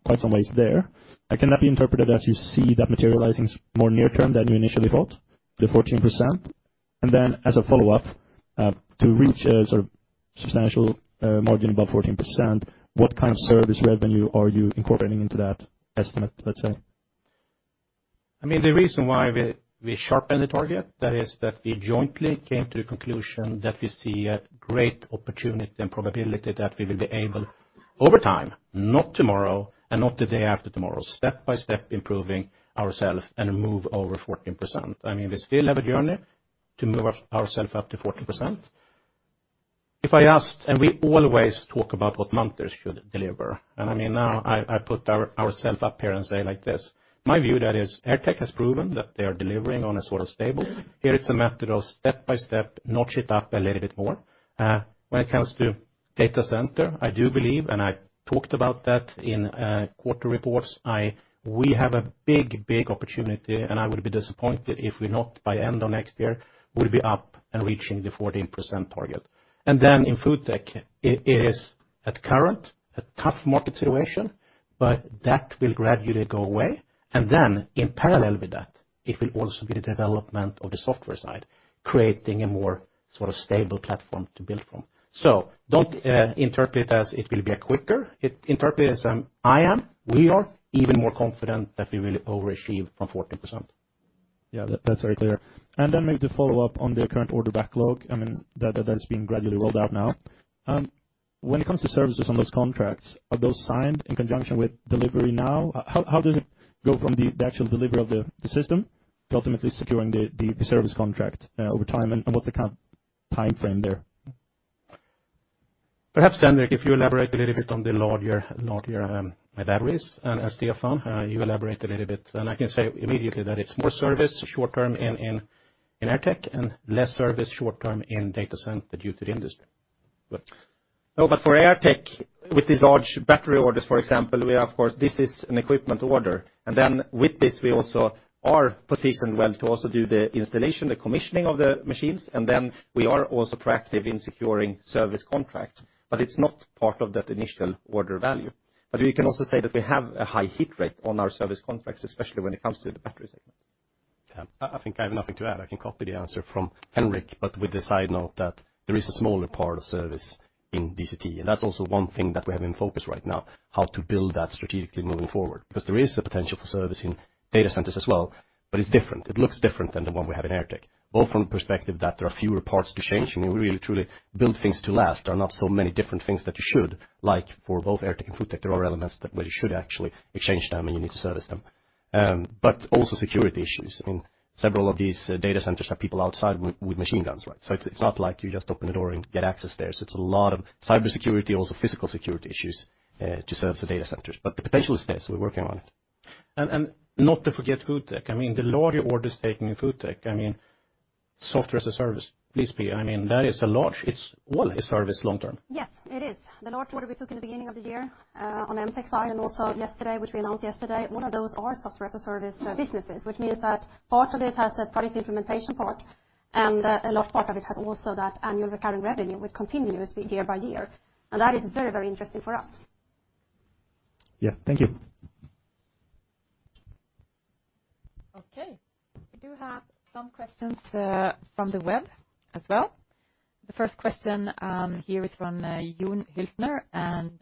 quite some ways there, can that be interpreted as you see that materializing more near term than you initially thought the 14%? As a follow up, to reach a sort of substantial margin above 14%, what kind of service revenue are you incorporating into that estimate, let's say? I mean the reason why we sharpened the target that is that we jointly came to the conclusion that we see a great opportunity and probability that we will be able over time not tomorrow and not the day after tomorrow step by step improving ourselves and move over 14%. I mean we still have a journey to move ourselves up to 14% if I asked and we always talk about what Munters should deliver and I mean now I put ourselves up here and say like this my view that is AirTech has proven that they are delivering on a sort of stable here it's a method of step by step notch it up a little bit more when it comes to data center. I do believe and I talked about that in quarter reports we have a big opportunity and I would be disappointed if we're not by the end of next year we'd be up and reaching the 14% target and then in FoodTech it is at current a tough market situation but that will gradually go away and then in parallel with that it will also be the development of the software side creating a more sort of stable platform to build from so don't interpret it as it will be a quicker. Interpret it as we are even more confident that we will overachieve from 14%. Yeah, that's very clear. Maybe to follow up on the current order backlog, I mean that has been gradually rolled out now. When it comes to services on those contracts, are those signed in conjunction with delivery now? How does it go from the actual delivery of the system to ultimately securing the service contract over time? What's the kind of time frame there? Perhaps Henrik, if you elaborate a little bit on the larger batteries and Stefan, you elaborate a little bit. I can say immediately that it's more service short term in AirTech and less service short term in data center due to the industry. For AirTech with these large battery orders for example we are of course this is an equipment order and then with this we also are positioned well to also do the installation the commissioning of the machines and then we are also proactive in securing service contracts but it's not part of that initial order value but we can also say that we have a high heat rate on our service contracts especially when it comes to the battery segment. Yeah I think I have nothing to add. I can copy the answer from Henrik but with the side note that there is a smaller part of service in DCT and that's also one thing that we have in focus right now how to build that strategically moving forward because there is a potential for service in data centers as well. It's different. It looks different than the one we have in AirTech both from the perspective that there are fewer parts to change. I mean, we really truly build things to last. There are not so many different things that you should like for both AirTech and FoodTech. There are elements that where you should actually exchange them and you need to service them. Also, security issues. I mean, several of these data centers have people outside with machine guns, right? It's not like you just open the door and get access there. It's a lot of cybersecurity, also physical security issues to service the data centers, but the potential is there, so we're working on it. Not to forget FoodTech. I mean, the larger orders taken in FoodTech. I mean, software as a service, please be. I mean, that is a large, it's all a service long term. Yes, it is the large order we took in the beginning of the year on the MTech side and also yesterday, which we announced yesterday. One of those are software as a service businesses, which means that part of it has a product implementation part and a large part of it has also that annual recurring revenue, which continues year by year, and that is very, very interesting for us. Yeah, thank you. We do have some questions from the web as well. The first question here is from [Juhn Hülsner], and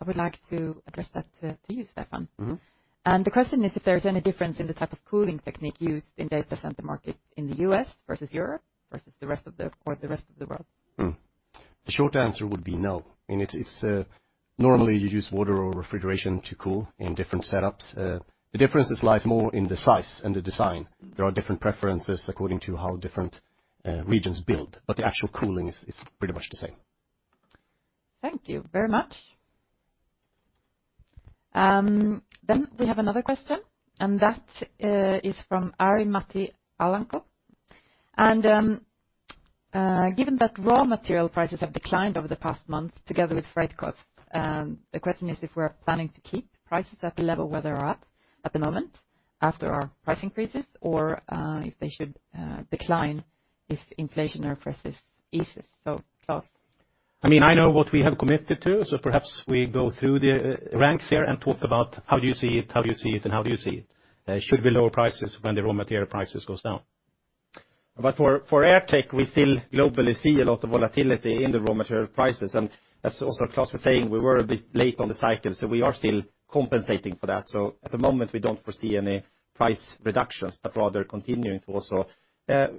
I would like to address that to you, Stefan. The question is if there is any difference in the type of cooling technique used in data center market in the U.S. versus Europe versus the rest of the world. The short answer would be no. I mean it's normally you use water or refrigeration to cool in different setups. The difference lies more in the size and the design. There are different preferences according to how different regions build. The actual cooling is pretty much the same. Thank you very much. We have another question. That is from [Arimatti Alanko]. Given that raw material prices have declined over the past month together with freight costs, the question is if we're planning to keep prices at the level where they're at at the moment after our price increases or if they should decline if inflation or pressures eases. Klas. I mean, I know what we have committed to. Perhaps we go through the ranks here and talk about how do you see it, how do you see it, and how do you see it. Should we lower prices when the raw material prices go down? For AirTech, we still globally see a lot of volatility in the raw material prices. As also Klas was saying, we were a bit late on the cycle. We are still compensating for that. At the moment, we don't foresee any price reductions, but rather continuing to also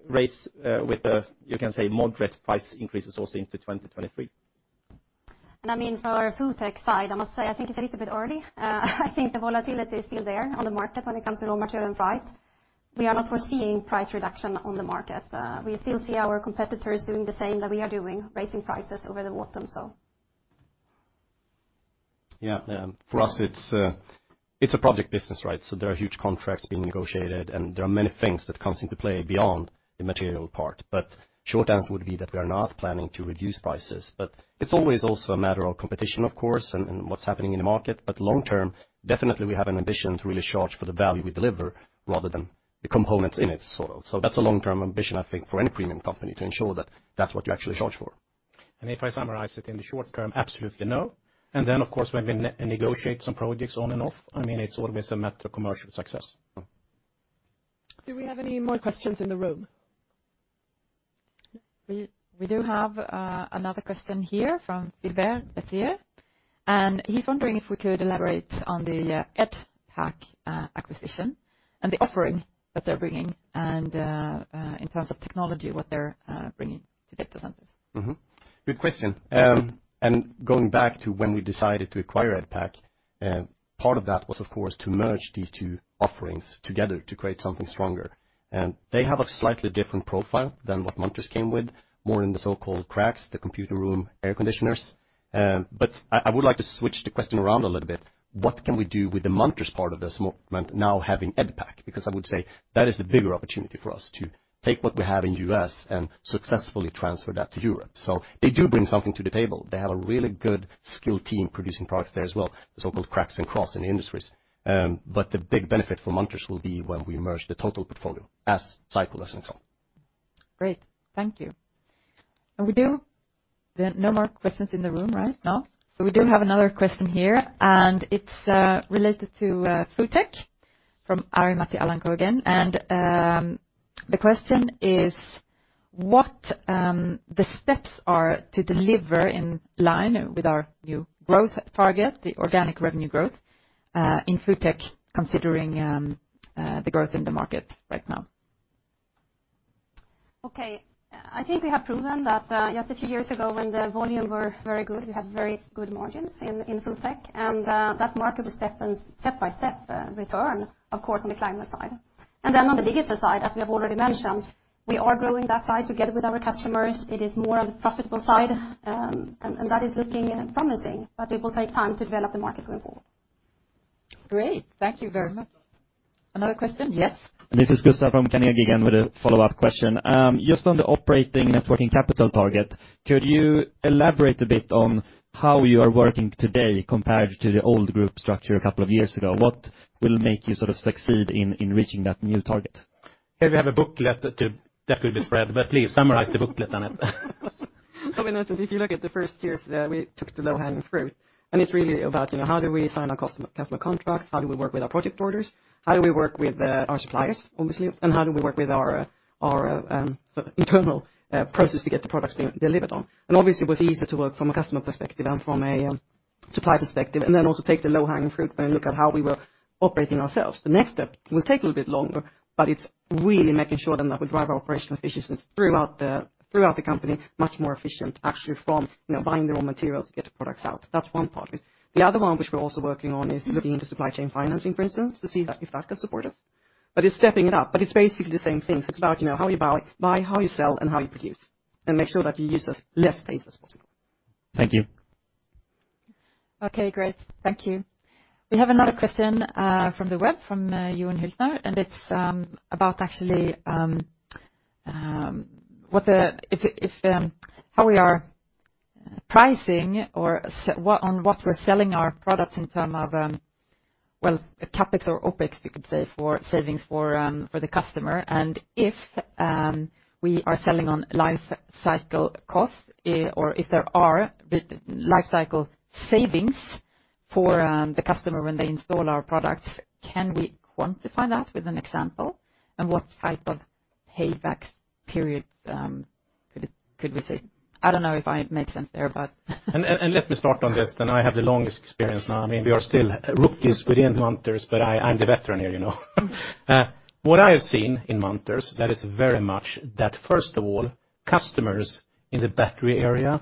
raise with the, you can say, moderate price increases also into 2023. I mean for our FoodTech side, I must say I think it's a little bit early. I think the volatility is still there on the market when it comes to raw material and freight. We are not foreseeing price reduction on the market. We still see our competitors doing the same that we are doing raising prices over the bottom so. For us, it's a project business, right? There are huge contracts being negotiated, and there are many things that comes into play beyond the material part. Short answer would be that we are not planning to reduce prices, but it's always also a matter of competition, of course, and what's happening in the market. Long term, definitely, we have an ambition to really charge for the value we deliver rather than the components in it, sort of. That's a long-term ambition, I think, for any premium company to ensure that that's what you actually charge for. If I summarize it in the short term, absolutely no. Of course, when we negotiate some projects on and off, I mean, it's always a matter of commercial success. Do we have any more questions in the room? We do have another question here from [Philibert Bessier] and he's wondering if we could elaborate on the EDPAC acquisition and the offering that they're bringing and in terms of technology what they're bringing to data centers. Good question. Going back to when we decided to acquire EDPAC, part of that was of course to merge these two offerings together to create something stronger. They have a slightly different profile than what Munters came with more in the so-called CRACs, the computer room air conditioners. I would like to switch the question around a little bit what can we do with the Munters part of this movement now having EDPAC because I would say that is the bigger opportunity for us to take what we have in U.S. and successfully transfer that to Europe. They do bring something to the table they have a really good skilled team producing products there as well, the so-called CRACs and cross in the industries. The big benefit for Munters will be when we merge the total portfolio as SyCool as an example. Great thank you. We do no more questions in the room right now. We do have another question here. It's related to FoodTech from Ari Matti Alanko again. The question is what the steps are to deliver in line with our new growth target the organic revenue growth in FoodTech considering the growth in the market right now. Okay, I think we have proven that just a few years ago when the volume were very good, we had very good margins in FoodTech, and that market was stepping step by step return of course on the climate side. On the digital side, as we have already mentioned, we are growing that side together with our customers. It is more on the profitable side, and that is looking promising, but it will take time to develop the market going forward. Great thank you very much another question yes. This is Gustav Österberg from Carnegie Investment Bank with a follow-up question just on the operating networking capital target. Could you elaborate a bit on how you are working today compared to the old group structure a couple of years ago, what will make you sort of succeed in reaching that new target? Here we have a booklet that could be spread but please summarize the booklet Annette. Have you noticed if you look at the first years we took the low hanging fruit. It's really about how do we sign our customer contracts, how do we work with our project orders, how do we work with our suppliers obviously, and how do we work with our internal process to get the products delivered on. Obviously, it was easier to work from a customer perspective and from a supply perspective and then also take the low hanging fruit and look at how we were operating ourselves. The next step will take a little bit longer, but it's really making sure then that we drive our operational efficiencies throughout the company much more efficient actually from buying the raw material to get the products out. That's one part of it. The other one which we're also working on is looking into supply chain financing, for instance, to see if that can support us. It's stepping it up, but it's basically the same thing. It's about how you buy, how you sell, and how you produce and make sure that you use as less space as possible. Thank you. Okay, great, thank you. We have another question from the web from Juhn Hülsner. It's about actually what the how we are pricing or on what we're selling our products in term of, well, CapEx or OpEx, you could say, for savings for the customer. If we are selling on life cycle costs or if there are life cycle savings for the customer when they install our products, can we quantify that with an example and what type of payback periods could we say? I don't know if I made sense there, but. Let me start on this then I have the longest experience now I mean we are still rookies within Munters but I'm the veteran here you know what I have seen in Munters that is very much that first of all customers in the battery area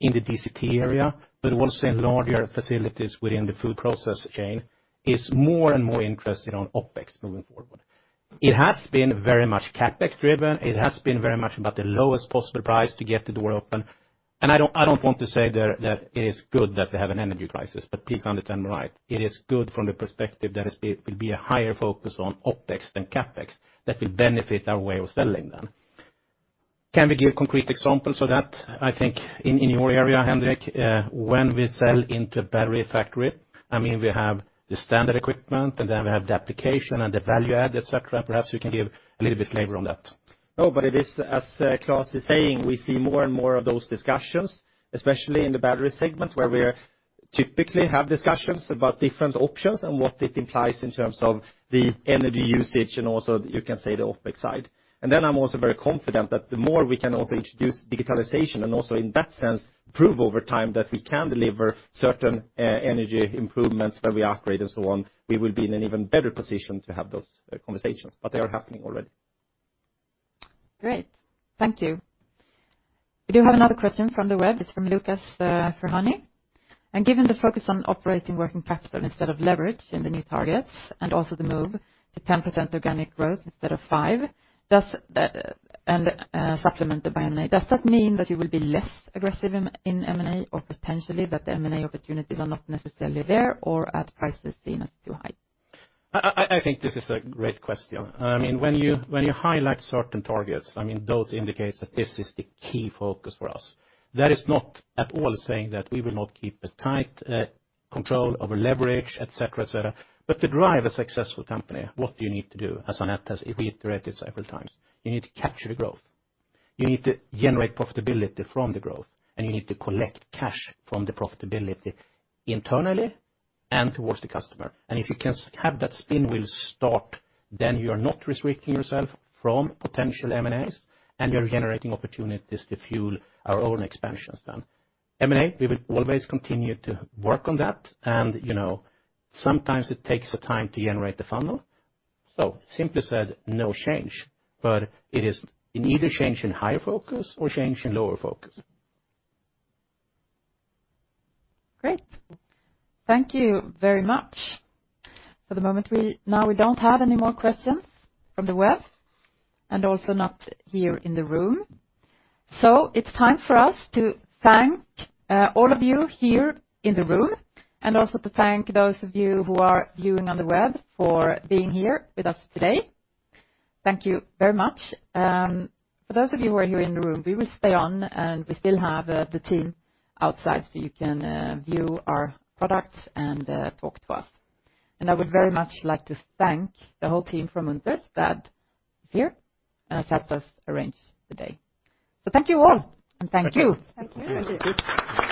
in the DCT area but also in larger facilities within the food process chain is more and more interested on OpEx moving forward. It has been very much CapEx driven. It has been very much about the lowest possible price to get the door open. I don't want to say that it is good that we have an energy crisis but please understand me right. It is good from the perspective that it will be a higher focus on OpEx than CapEx that will benefit our way of selling. Can we give concrete examples of that? I think in your area Henrik when we sell into a battery factory I mean we have the standard equipment and then we have the application and the value add etc. and perhaps you can give a little bit flavor on that. It is as Klas is saying, we see more and more of those discussions especially in the battery segment where we typically have discussions about different options and what it implies in terms of the energy usage and also you can say the OpEx side. I'm also very confident that the more we can also introduce digitalization and also in that sense prove over time that we can deliver certain energy improvements when we upgrade and so on we will be in an even better position to have those conversations, but they are happening already. Great, thank you. We do have another question from the web. It's from [Lucas Ferrani]. Given the focus on operating working capital instead of leverage in the new targets and also the move to 10% organic growth instead of 5% and supplement the M&A, does that mean that you will be less aggressive in M&A or potentially that the M&A opportunities are not necessarily there or at prices seen as too high? I think this is a great question. I mean, when you highlight certain targets, I mean, those indicate that this is the key focus for us. That is not at all saying that we will not keep a tight control over leverage, etc., etc. To drive a successful company, what do you need to do? As Annette has reiterated several times, you need to capture the growth, you need to generate profitability from the growth, and you need to collect cash from the profitability internally and towards the customer. If you can have that spin wheel start, you are not restricting yourself from potential M&As, and you are generating opportunities to fuel our own expansions. M&A, we will always continue to work on that, and sometimes it takes a time to generate the funnel. Simply said, no change, but it is neither change in higher focus or change in lower focus. Great, thank you very much. For the moment, we don't have any more questions from the web. Also not here in the room. It's time for us to thank all of you here in the room. Also to thank those of you who are viewing on the web for being here with us today. Thank you very much. For those of you who are here in the room, we will stay on. We still have the team outside. You can view our products and talk to us. I would very much like to thank the whole team from Munters that is here and has helped us arrange the day. Thank you all and thank you. Thank you.